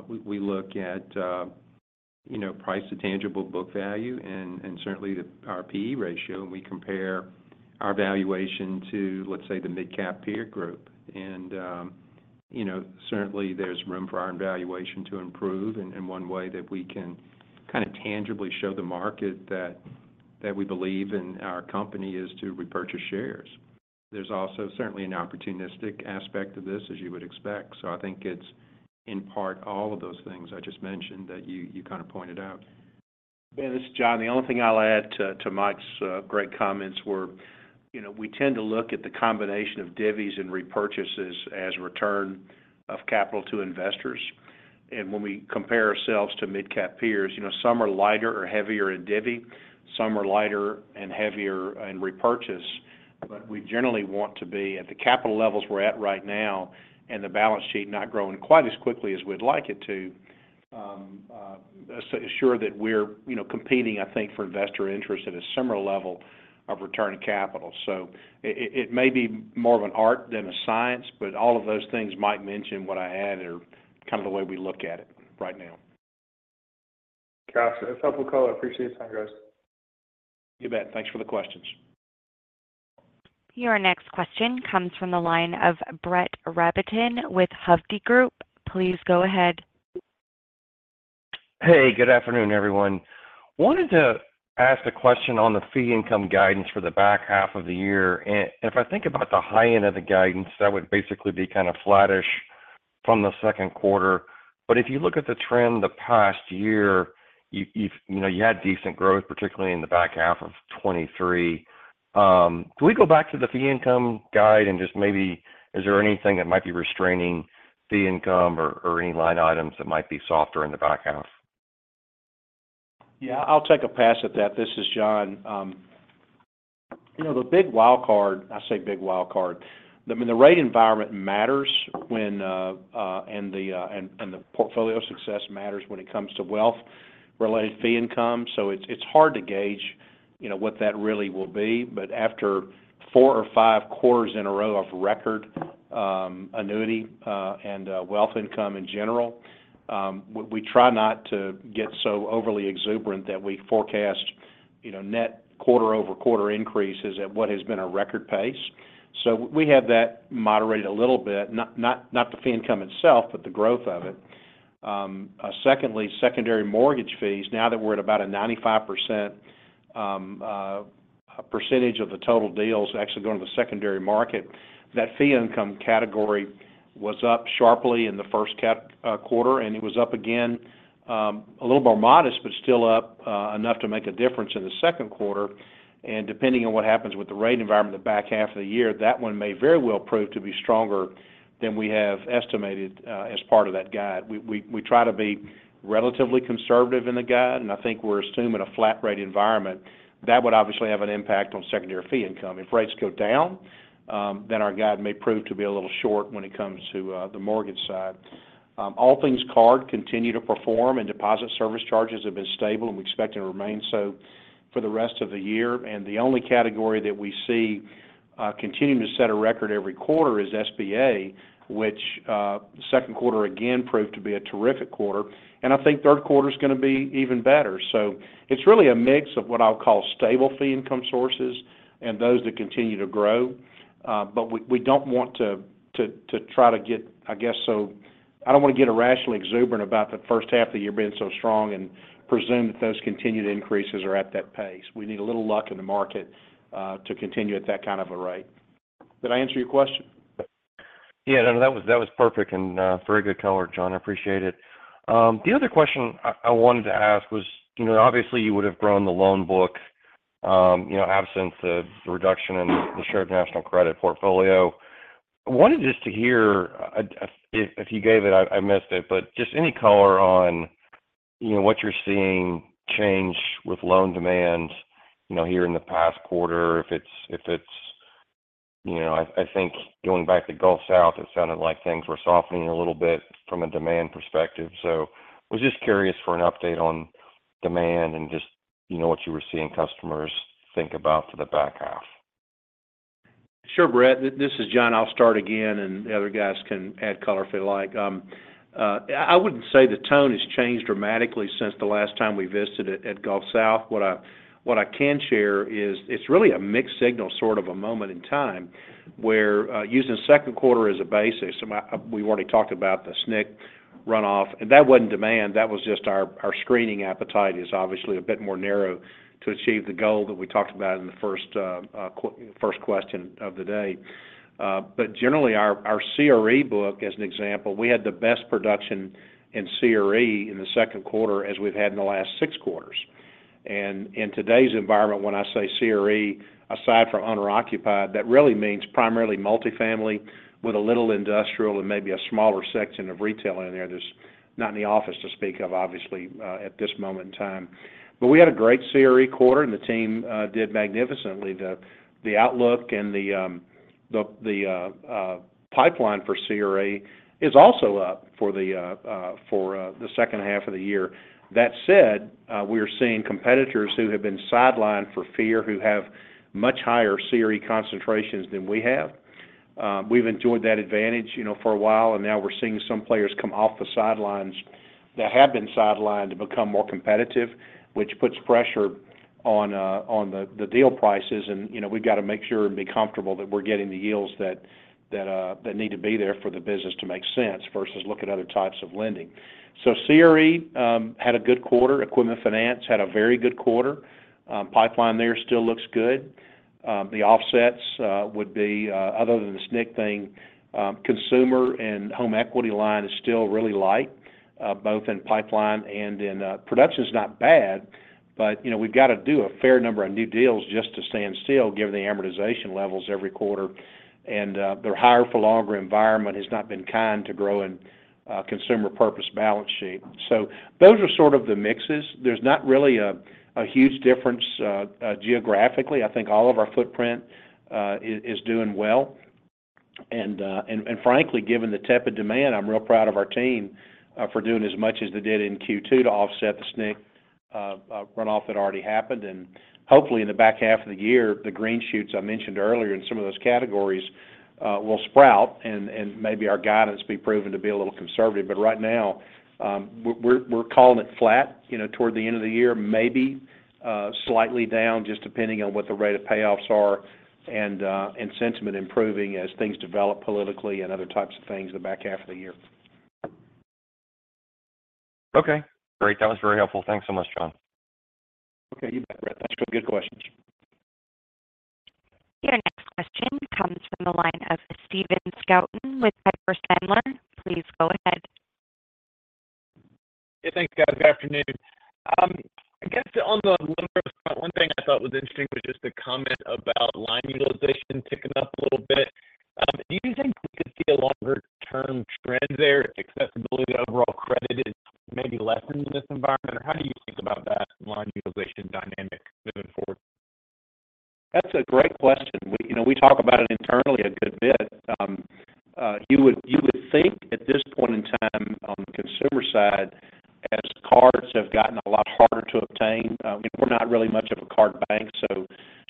Speaker 4: We look at, you know, price to tangible book value and certainly our PE ratio, and we compare our valuation to, let's say, the midcap peer group. You know, certainly, there's room for our valuation to improve. One way that we can kind of tangibly show the market that we believe in our company is to repurchase shares. There's also certainly an opportunistic aspect to this, as you would expect. So I think it's, in part, all of those things I just mentioned that you kind of pointed out.
Speaker 3: Ben, this is John. The only thing I'll add to Mike's great comments were, you know, we tend to look at the combination of divvies and repurchases as return of capital to investors. And when we compare ourselves to midcap peers, you know, some are lighter or heavier in divvy, some are lighter and heavier in repurchase. But we generally want to be at the capital levels we're at right now, and the balance sheet not growing quite as quickly as we'd like it to, so ensure that we're, you know, competing, I think, for investor interest at a similar level of return on capital. So it may be more of an art than a science, but all of those things Mike mentioned, what I added, are kind of the way we look at it right now.
Speaker 10: Gotcha. It's helpful color. I appreciate the time, guys.
Speaker 3: You bet. Thanks for the questions.
Speaker 1: Your next question comes from the line of Brett Rabatin with Hovde Group. Please go ahead.
Speaker 11: Hey, good afternoon, everyone. Wanted to ask a question on the fee income guidance for the back half of the year. If I think about the high end of the guidance, that would basically be kind of flattish from the second quarter. But if you look at the trend the past year, you've you know, you had decent growth, particularly in the back half of 2023. Can we go back to the fee income guide and just maybe, is there anything that might be restraining fee income or any line items that might be softer in the back half?
Speaker 3: Yeah, I'll take a pass at that. This is John. You know, the big wild card, I say big wild card, I mean, the rate environment matters when and the portfolio success matters when it comes to wealth-related fee income. So it's hard to gauge, you know, what that really will be. But after four or five quarters in a row of record annuity and wealth income in general, we try not to get so overly exuberant that we forecast, you know, net quarter-over-quarter increases at what has been a record pace. So we have that moderated a little bit, not the fee income itself, but the growth of it. Secondly, secondary mortgage fees, now that we're at about a 95% percentage of the total deals actually going to the secondary market, that fee income category was up sharply in the first quarter, and it was up again, a little more modest, but still up, enough to make a difference in the second quarter. And depending on what happens with the rate environment in the back half of the year, that one may very well prove to be stronger than we have estimated as part of that guide. We try to be relatively conservative in the guide, and I think we're assuming a flat rate environment. That would obviously have an impact on secondary fee income. If rates go down, then our guide may prove to be a little short when it comes to the mortgage side. All things card continue to perform, and deposit service charges have been stable, and we expect it to remain so for the rest of the year. And the only category that we see continuing to set a record every quarter is SBA, which second quarter, again, proved to be a terrific quarter, and I think third quarter is going to be even better. So it's really a mix of what I'll call stable fee income sources and those that continue to grow. But we don't want to try to get, I guess, I don't want to get irrationally exuberant about the first half of the year being so strong and presume that those continued increases are at that pace. We need a little luck in the market, to continue at that kind of a rate. Did I answer your question?
Speaker 11: Yeah, no, no, that was, that was perfect and, very good color, John. I appreciate it. The other question I wanted to ask was, you know, obviously, you would have grown the loan book, you know, absence of the reduction in the shared national credit portfolio. I wanted just to hear, if you gave it, I missed it, but just any color on, you know, what you're seeing change with loan demand, you know, here in the past quarter, if it's, you know, I think going back to Gulf South, it sounded like things were softening a little bit from a demand perspective. So I was just curious for an update on demand and just, you know, what you were seeing customers think about for the back half.
Speaker 3: Sure, Brett. This is John. I'll start again, and the other guys can add color if they like. I wouldn't say the tone has changed dramatically since the last time we visited at Gulf South. What I can share is it's really a mixed signal, sort of a moment in time, where using second quarter as a basis, so we've already talked about the SNC runoff, and that wasn't demand, that was just our screening appetite is obviously a bit more narrow to achieve the goal that we talked about in the first question of the day. But generally, our CRE book, as an example, we had the best production in CRE in the second quarter as we've had in the last six quarters. In today's environment, when I say CRE, aside from owner occupied, that really means primarily multifamily, with a little industrial and maybe a smaller section of retail in there. There's not any office to speak of, obviously, at this moment in time. But we had a great CRE quarter, and the team did magnificently. The outlook and the pipeline for CRE is also up for the second half of the year. That said, we are seeing competitors who have been sidelined for fear, who have much higher CRE concentrations than we have. We've enjoyed that advantage, you know, for a while, and now we're seeing some players come off the sidelines that have been sidelined to become more competitive, which puts pressure on the deal prices. You know, we've got to make sure and be comfortable that we're getting the yields that need to be there for the business to make sense, versus look at other types of lending. So CRE had a good quarter. Equipment finance had a very good quarter. Pipeline there still looks good. The offsets would be other than the SNC thing. Consumer and home equity line is still really light both in pipeline and in production. Production's not bad, but you know, we've got to do a fair number of new deals just to stand still given the amortization levels every quarter. And the higher-for-longer environment has not been kind to growing consumer purpose balance sheet. So those are sort of the mixes. There's not really a huge difference geographically. I think all of our footprint is doing well. And frankly, given the tepid demand, I'm real proud of our team for doing as much as they did in Q2 to offset the SNC runoff that already happened. And hopefully, in the back half of the year, the green shoots I mentioned earlier in some of those categories will sprout and maybe our guidance be proven to be a little conservative. But right now, we're calling it flat, you know, toward the end of the year, maybe slightly down, just depending on what the rate of payoffs are and sentiment improving as things develop politically and other types of things in the back half of the year.
Speaker 11: Okay, great. That was very helpful. Thanks so much, John.
Speaker 3: Okay, you bet, Brett. Those were good questions.
Speaker 1: Your next question comes from the line of Stephen Scouten with Piper Sandler. Please go ahead.
Speaker 12: Yeah, thanks, guys. Good afternoon. I guess on the loan growth front, one thing I thought was interesting was just the comment about line utilization ticking up a little bit. Do you think we could see a longer-term trend there, accessibility to overall credit is maybe lessened in this environment? Or how do you think about that line utilization dynamic moving forward?
Speaker 3: That's a great question. We, you know, we talk about it internally a good bit. You would, you would think at this point in time, on the consumer side, as cards have gotten a lot harder to obtain, I mean, we're not really much of a card bank, so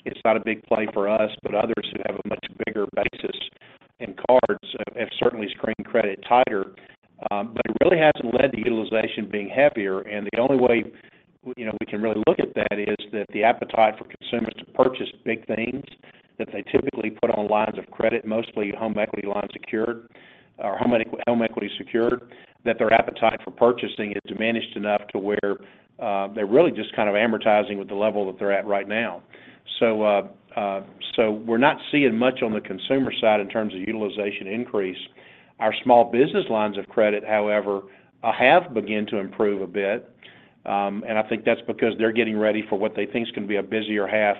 Speaker 3: it's not a big play for us, but others who have a much bigger basis in cards have, have certainly screened credit tighter. But it really hasn't led to utilization being heavier. The only way, you know, we can really look at that is that the appetite for consumers to purchase big things that they typically put on lines of credit, mostly home equity lines secured or home equity, home equity secured, that their appetite for purchasing is diminished enough to where they're really just kind of amortizing with the level that they're at right now. So we're not seeing much on the consumer side in terms of utilization increase. Our small business lines of credit, however, have begun to improve a bit, and I think that's because they're getting ready for what they think is going to be a busier half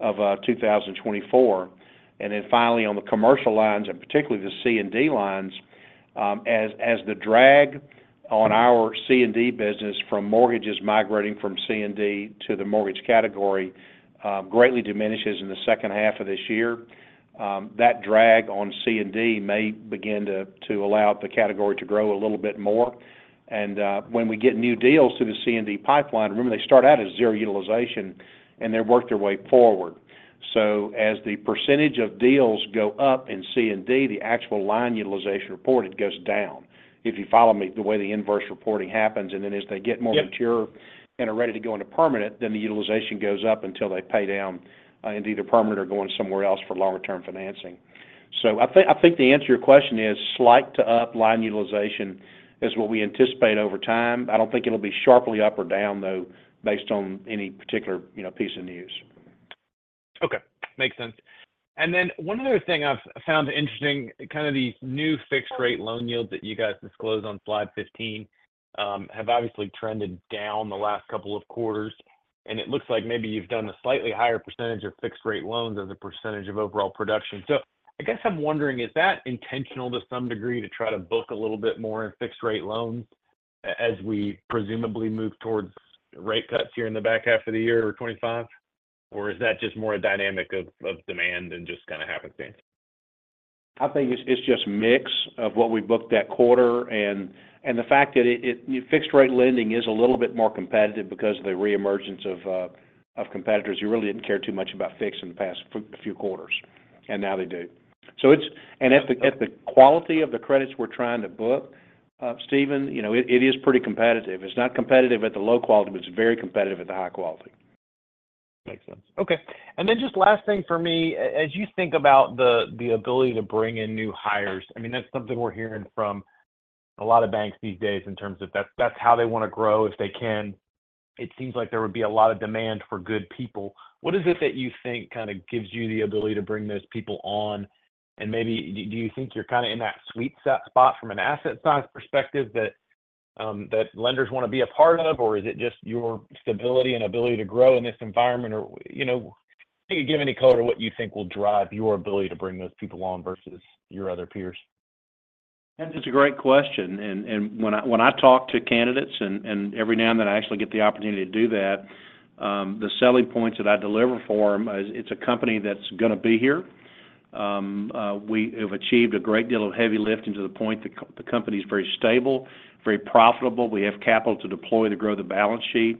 Speaker 3: of 2024. And then finally, on the commercial lines, and particularly the C&D lines, as the drag on our C&D business from mortgages migrating from C&D to the mortgage category greatly diminishes in the second half of this year, that drag on C&D may begin to allow the category to grow a little bit more. And when we get new deals to the C&D pipeline, remember, they start out as zero utilization, and they work their way forward. So as the percentage of deals go up in C&D, the actual line utilization reported goes down. If you follow me, the way the inverse reporting happens, and then as they get more-
Speaker 12: Yep
Speaker 3: mature and are ready to go into permanent, then the utilization goes up until they pay down into either permanent or going somewhere else for longer-term financing. So I think, I think the answer to your question is slight to up line utilization is what we anticipate over time. I don't think it'll be sharply up or down, though, based on any particular, you know, piece of news.
Speaker 12: Okay, makes sense. And then one other thing I've found interesting, kind of these new fixed rate loan yields that you guys disclosed on slide 15, have obviously trended down the last couple of quarters, and it looks like maybe you've done a slightly higher percentage of fixed rate loans as a percentage of overall production. So I guess I'm wondering, is that intentional to some degree, to try to book a little bit more in fixed rate loans as we presumably move towards rate cuts here in the back half of the year or 2025? Or is that just more a dynamic of demand than just kind of happenstance?
Speaker 3: I think it's just mix of what we booked that quarter, and the fact that fixed rate lending is a little bit more competitive because of the reemergence of competitors, who really didn't care too much about fixed in the past few quarters, and now they do. So it's-
Speaker 12: Yeah.
Speaker 3: As the quality of the credits we're trying to book, Stephen, you know, it is pretty competitive. It's not competitive at the low quality, but it's very competitive at the high quality.
Speaker 12: Makes sense. Okay, and then just last thing for me. As you think about the ability to bring in new hires, I mean, that's something we're hearing from a lot of banks these days, in terms of that's how they want to grow if they can. It seems like there would be a lot of demand for good people. What is it that you think kind of gives you the ability to bring those people on? And maybe, do you think you're kind of in that sweet spot from an asset size perspective that lenders want to be a part of? Or is it just your stability and ability to grow in this environment? Or, you know, can you give any color to what you think will drive your ability to bring those people on versus your other peers?
Speaker 3: That's a great question, and when I talk to candidates, and every now and then I actually get the opportunity to do that, the selling points that I deliver for them is, it's a company that's going to be here. We have achieved a great deal of heavy lifting to the point that the company is very stable, very profitable. We have capital to deploy to grow the balance sheet.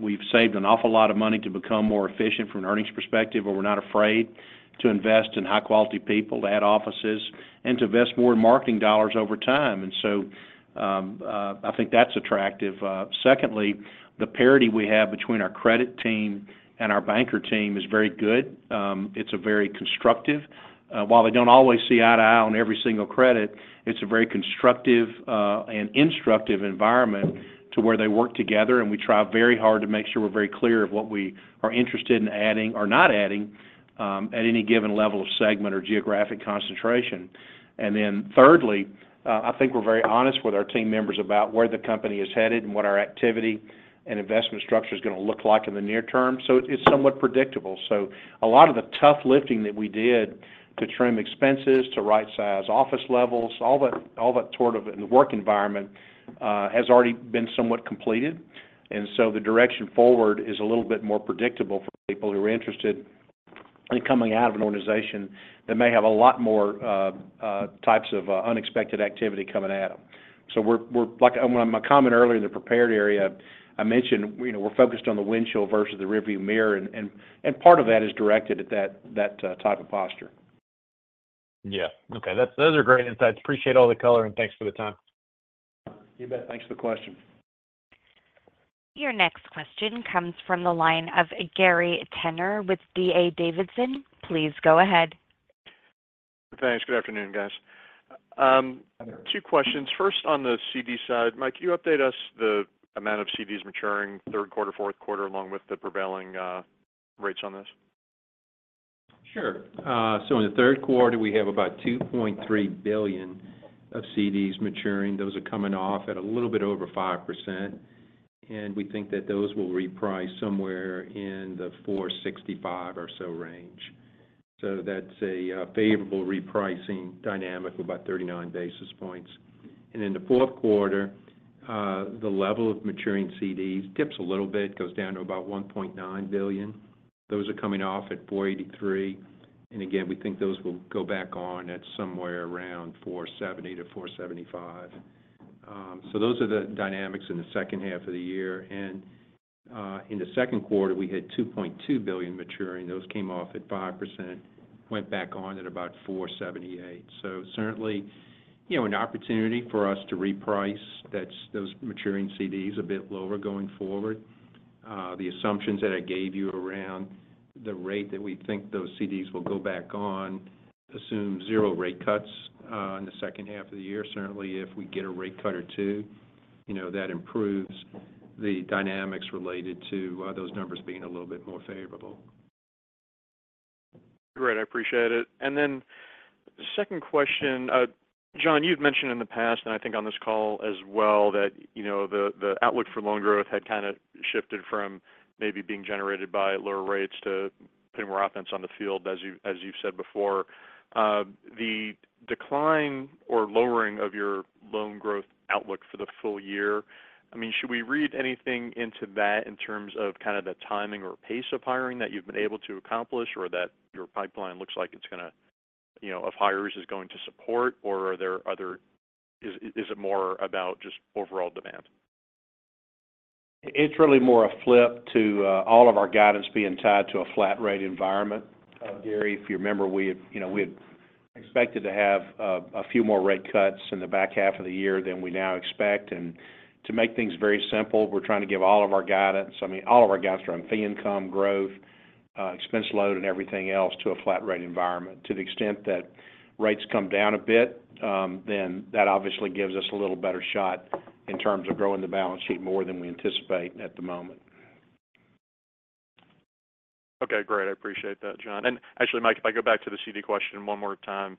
Speaker 3: We've saved an awful lot of money to become more efficient from an earnings perspective, but we're not afraid to invest in high-quality people, to add offices, and to invest more in marketing dollars over time. And so, I think that's attractive. Secondly, the parity we have between our credit team and our banker team is very good. It's a very constructive. While they don't always see eye to eye on every single credit, it's a very constructive, and instructive environment to where they work together, and we try very hard to make sure we're very clear of what we are interested in adding or not adding, at any given level of segment or geographic concentration. And then thirdly, I think we're very honest with our team members about where the company is headed and what our activity and investment structure is going to look like in the near term. So it's somewhat predictable. So a lot of the tough lifting that we did to trim expenses, to rightsize office levels, all that, all that sort of in the work environment, has already been somewhat completed. And so the direction forward is a little bit more predictable for people who are interested in coming out of an organization that may have a lot more types of unexpected activity coming at them. So we're like my comment earlier in the prepared area, I mentioned, you know, we're focused on the windshield versus the rearview mirror, and part of that is directed at that type of posture.
Speaker 12: Yeah. Okay, those are great insights. Appreciate all the color, and thanks for the time.
Speaker 3: You bet. Thanks for the question.
Speaker 1: Your next question comes from the line of Gary Tenner with D.A. Davidson. Please go ahead.
Speaker 13: Thanks. Good afternoon, guys. Two questions. First, on the CD side, Mike, can you update us the amount of CDs maturing third quarter, fourth quarter, along with the prevailing rates on this?
Speaker 4: Sure. So in the third quarter, we have about $2.3 billion of CDs maturing. Those are coming off at a little bit over 5%, and we think that those will reprice somewhere in the 4.65% or so range. So that's a favorable repricing dynamic of about 39 basis points. And in the fourth quarter, the level of maturing CDs dips a little bit, goes down to about $1.9 billion. Those are coming off at 4.83%, and again, we think those will go back on at somewhere around 4.70%-4.75%. So those are the dynamics in the second half of the year. And in the second quarter, we had $2.2 billion maturing. Those came off at 5%, went back on at about 4.78%. So certainly, you know, an opportunity for us to reprice those maturing CDs a bit lower going forward. The assumptions that I gave you around the rate that we think those CDs will go back on assumes zero rate cuts in the second half of the year. Certainly, if we get a rate cut or two, you know, that improves the dynamics related to those numbers being a little bit more favorable.
Speaker 13: Great, I appreciate it. Then the second question, John, you've mentioned in the past, and I think on this call as well, that, you know, the outlook for loan growth had kind of shifted from maybe being generated by lower rates to putting more offense on the field, as you've said before. The decline or lowering of your loan growth outlook for the full year, I mean, should we read anything into that in terms of kind of the timing or pace of hiring that you've been able to accomplish, or that your pipeline looks like it's going to, you know, of hires is going to support? Or are there other... Is it more about just overall demand?
Speaker 3: It's really more a flip to all of our guidance being tied to a flat rate environment, Gary. If you remember, we had, you know, we had expected to have a few more rate cuts in the back half of the year than we now expect. And to make things very simple, we're trying to give all of our guidance, I mean, all of our guidance around fee income growth, expense load and everything else to a flat rate environment. To the extent that rates come down a bit, then that obviously gives us a little better shot in terms of growing the balance sheet more than we anticipate at the moment.
Speaker 13: Okay, great. I appreciate that, John. And actually, Mike, if I go back to the CD question one more time,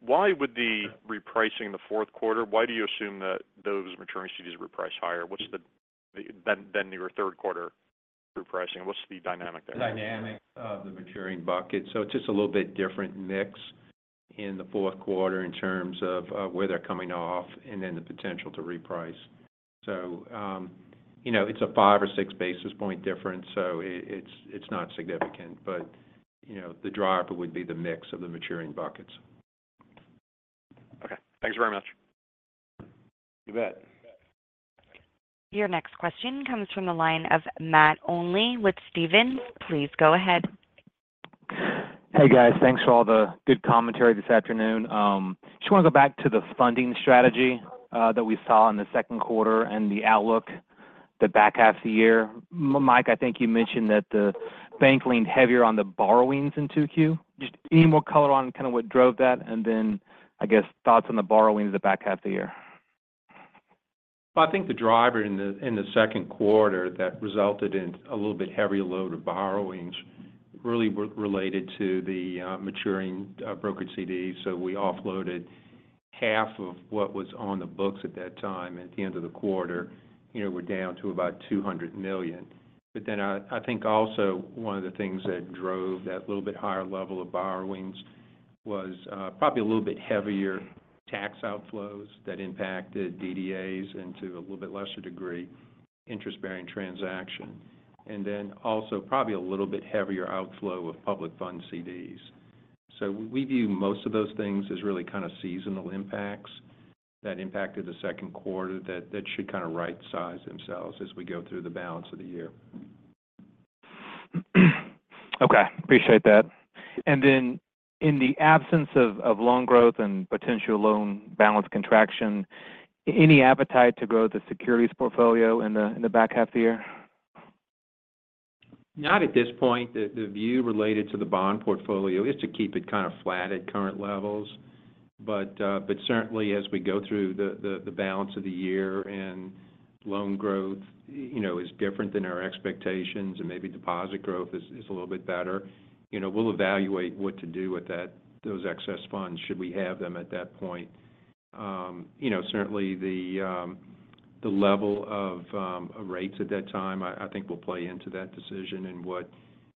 Speaker 13: why would the repricing in the fourth quarter, why do you assume that those maturing CDs reprice higher? What's the than your third quarter repricing, what's the dynamic there?
Speaker 4: Dynamics of the maturing bucket. So it's just a little bit different mix in the fourth quarter in terms of where they're coming off and then the potential to reprice. So, you know, it's a 5 or 6 basis point difference, so it's, it's not significant. But, you know, the driver would be the mix of the maturing buckets.
Speaker 13: Okay. Thanks very much.
Speaker 4: You bet.
Speaker 1: Your next question comes from the line of Matt Olney with Stephens. Please go ahead.
Speaker 14: Hey, guys. Thanks for all the good commentary this afternoon. Just want to go back to the funding strategy that we saw in the second quarter and the outlook, the back half of the year. Mike, I think you mentioned that the bank leaned heavier on the borrowings in 2Q. Just any more color on kind of what drove that? And then, I guess, thoughts on the borrowings in the back half of the year.
Speaker 4: Well, I think the driver in the second quarter that resulted in a little bit heavier load of borrowings really related to the maturing brokered CDs. So we offloaded half of what was on the books at that time. At the end of the quarter, you know, we're down to about $200 million. But then, I think also one of the things that drove that little bit higher level of borrowings was probably a little bit heavier tax outflows that impacted DDAs, and to a little bit lesser degree, interest-bearing transaction. And then also, probably a little bit heavier outflow of public fund CDs. So we view most of those things as really kind of seasonal impacts that impacted the second quarter that should kind of rightsize themselves as we go through the balance of the year.
Speaker 14: Okay, appreciate that. And then in the absence of loan growth and potential loan balance contraction, any appetite to grow the securities portfolio in the back half of the year?
Speaker 4: Not at this point. The view related to the bond portfolio is to keep it kind of flat at current levels. But certainly as we go through the balance of the year and loan growth, you know, is different than our expectations, and maybe deposit growth is a little bit better, you know, we'll evaluate what to do with those excess funds, should we have them at that point. You know, certainly the level of rates at that time, I think will play into that decision and what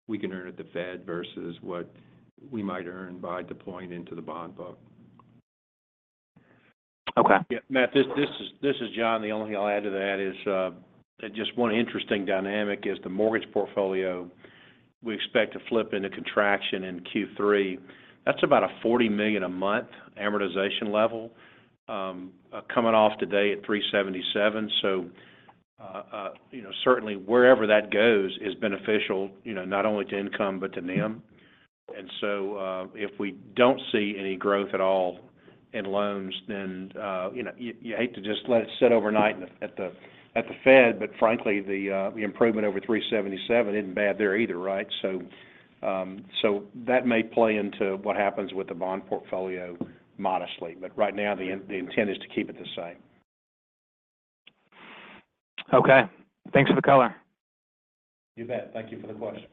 Speaker 4: we can earn at the Fed versus what we might earn by deploying into the bond book.
Speaker 14: Okay.
Speaker 3: Yeah, Matt, this is John. The only thing I'll add to that is just one interesting dynamic is the mortgage portfolio we expect to flip into contraction in Q3. That's about a $40 million a month amortization level, coming off today at 3.77%. So, you know, certainly wherever that goes is beneficial, you know, not only to income, but to NIM. And so, if we don't see any growth at all in loans, then, you know, you hate to just let it sit overnight at the Fed, but frankly, the improvement over 3.77% isn't bad there either, right? So, that may play into what happens with the bond portfolio modestly, but right now, the intent is to keep it the same.
Speaker 14: Okay. Thanks for the color.
Speaker 3: You bet. Thank you for the question.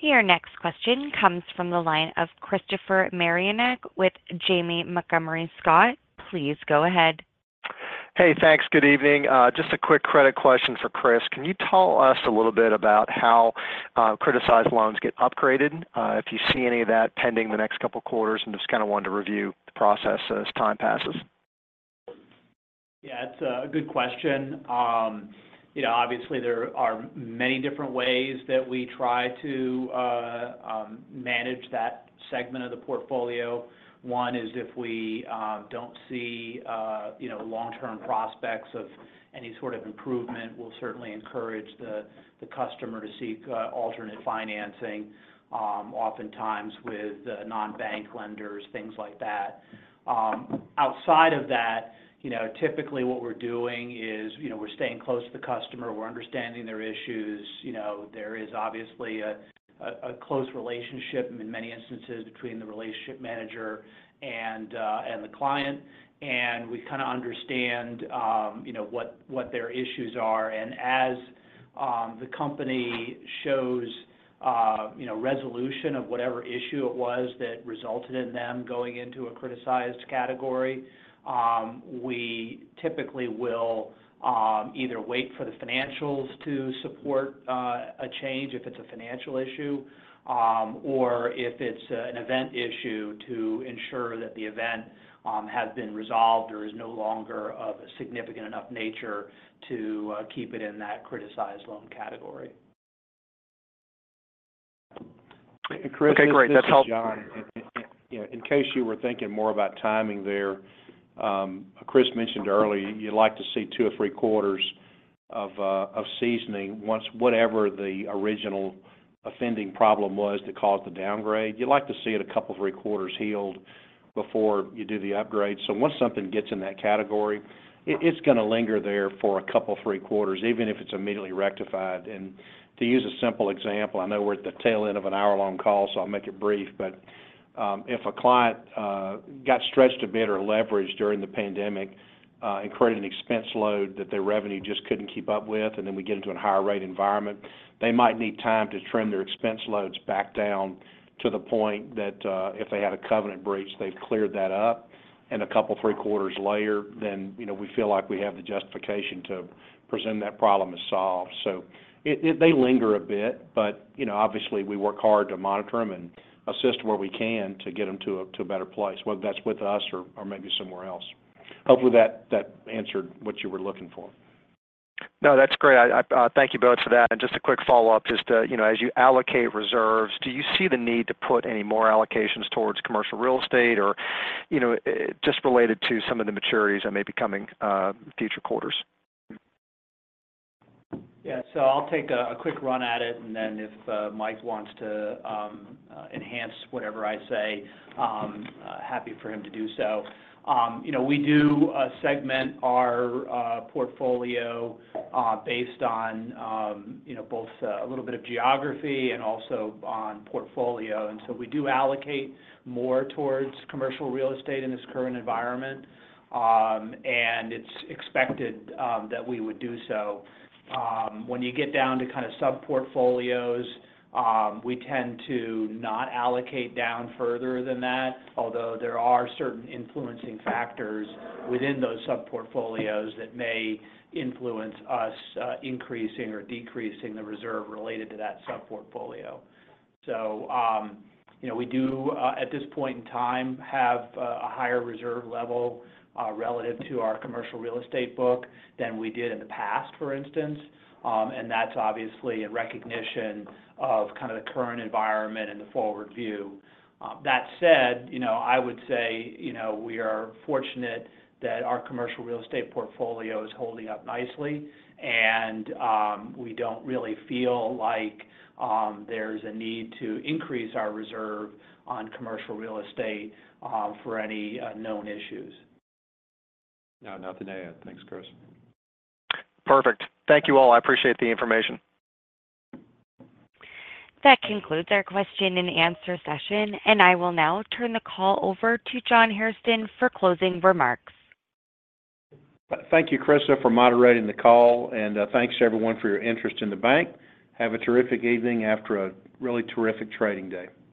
Speaker 1: Your next question comes from the line of Christopher Marinac with Janney Montgomery Scott. Please go ahead.
Speaker 15: Hey, thanks. Good evening. Just a quick credit question for Chris. Can you tell us a little bit about how, criticized loans get upgraded, if you see any of that pending the next couple of quarters? And just kind of wanted to review the process as time passes.
Speaker 9: Yeah, it's a good question. You know, obviously, there are many different ways that we try to manage that segment of the portfolio. One is, if we don't see you know, long-term prospects of any sort of improvement, we'll certainly encourage the customer to seek alternate financing, oftentimes with non-bank lenders, things like that. Outside of that, you know, typically what we're doing is, you know, we're staying close to the customer. We're understanding their issues. You know, there is obviously a close relationship in many instances between the relationship manager and the client, and we kind of understand you know, what their issues are. As the company shows, you know, resolution of whatever issue it was that resulted in them going into a criticized category, we typically will either wait for the financials to support a change, if it's a financial issue, or if it's an event issue, to ensure that the event has been resolved or is no longer of a significant enough nature to keep it in that criticized loan category.
Speaker 15: Okay, great. That helps-
Speaker 3: Chris, this is John. In case you were thinking more about timing there, Chris mentioned earlier, you'd like to see two or three quarters of seasoning once whatever the original offending problem was that caused the downgrade. You'd like to see it a couple, three quarters healed before you do the upgrade. So once something gets in that category, it's going to linger there for a couple, three quarters, even if it's immediately rectified. And to use a simple example, I know we're at the tail end of an hour-long call, so I'll make it brief. But, if a client got stretched a bit or leveraged during the pandemic, and created an expense load that their revenue just couldn't keep up with, and then we get into a higher rate environment, they might need time to trim their expense loads back down to the point that, if they had a covenant breach, they've cleared that up. And a couple, three quarters later, then, you know, we feel like we have the justification to presume that problem is solved. So they linger a bit, but, you know, obviously, we work hard to monitor them and assist where we can to get them to a better place, whether that's with us or maybe somewhere else. Hopefully, that answered what you were looking for.
Speaker 15: No, that's great. I thank you both for that. Just a quick follow-up, just to, you know, as you allocate reserves, do you see the need to put any more allocations towards commercial real estate or, you know, just related to some of the maturities that may be coming, future quarters?
Speaker 9: Yeah. So I'll take a quick run at it, and then if Mike wants to enhance whatever I say, happy for him to do so. You know, we do segment our portfolio based on you know, both a little bit of geography and also on portfolio. And so we do allocate more towards commercial real estate in this current environment, and it's expected that we would do so. When you get down to kind of sub-portfolios, we tend to not allocate down further than that, although there are certain influencing factors within those sub-portfolios that may influence us increasing or decreasing the reserve related to that sub-portfolio. So, you know, we do, at this point in time, have, a higher reserve level, relative to our commercial real estate book than we did in the past, for instance. And that's obviously a recognition of kind of the current environment and the forward view. That said, you know, I would say, you know, we are fortunate that our commercial real estate portfolio is holding up nicely, and, we don't really feel like, there's a need to increase our reserve on commercial real estate, for any known issues.
Speaker 3: No, nothing to add. Thanks, Chris.
Speaker 15: Perfect. Thank you, all. I appreciate the information.
Speaker 1: That concludes our question and answer session, and I will now turn the call over to John Hairston for closing remarks.
Speaker 3: Thank you, Krista, for moderating the call, and, thanks to everyone for your interest in the bank. Have a terrific evening after a really terrific trading day.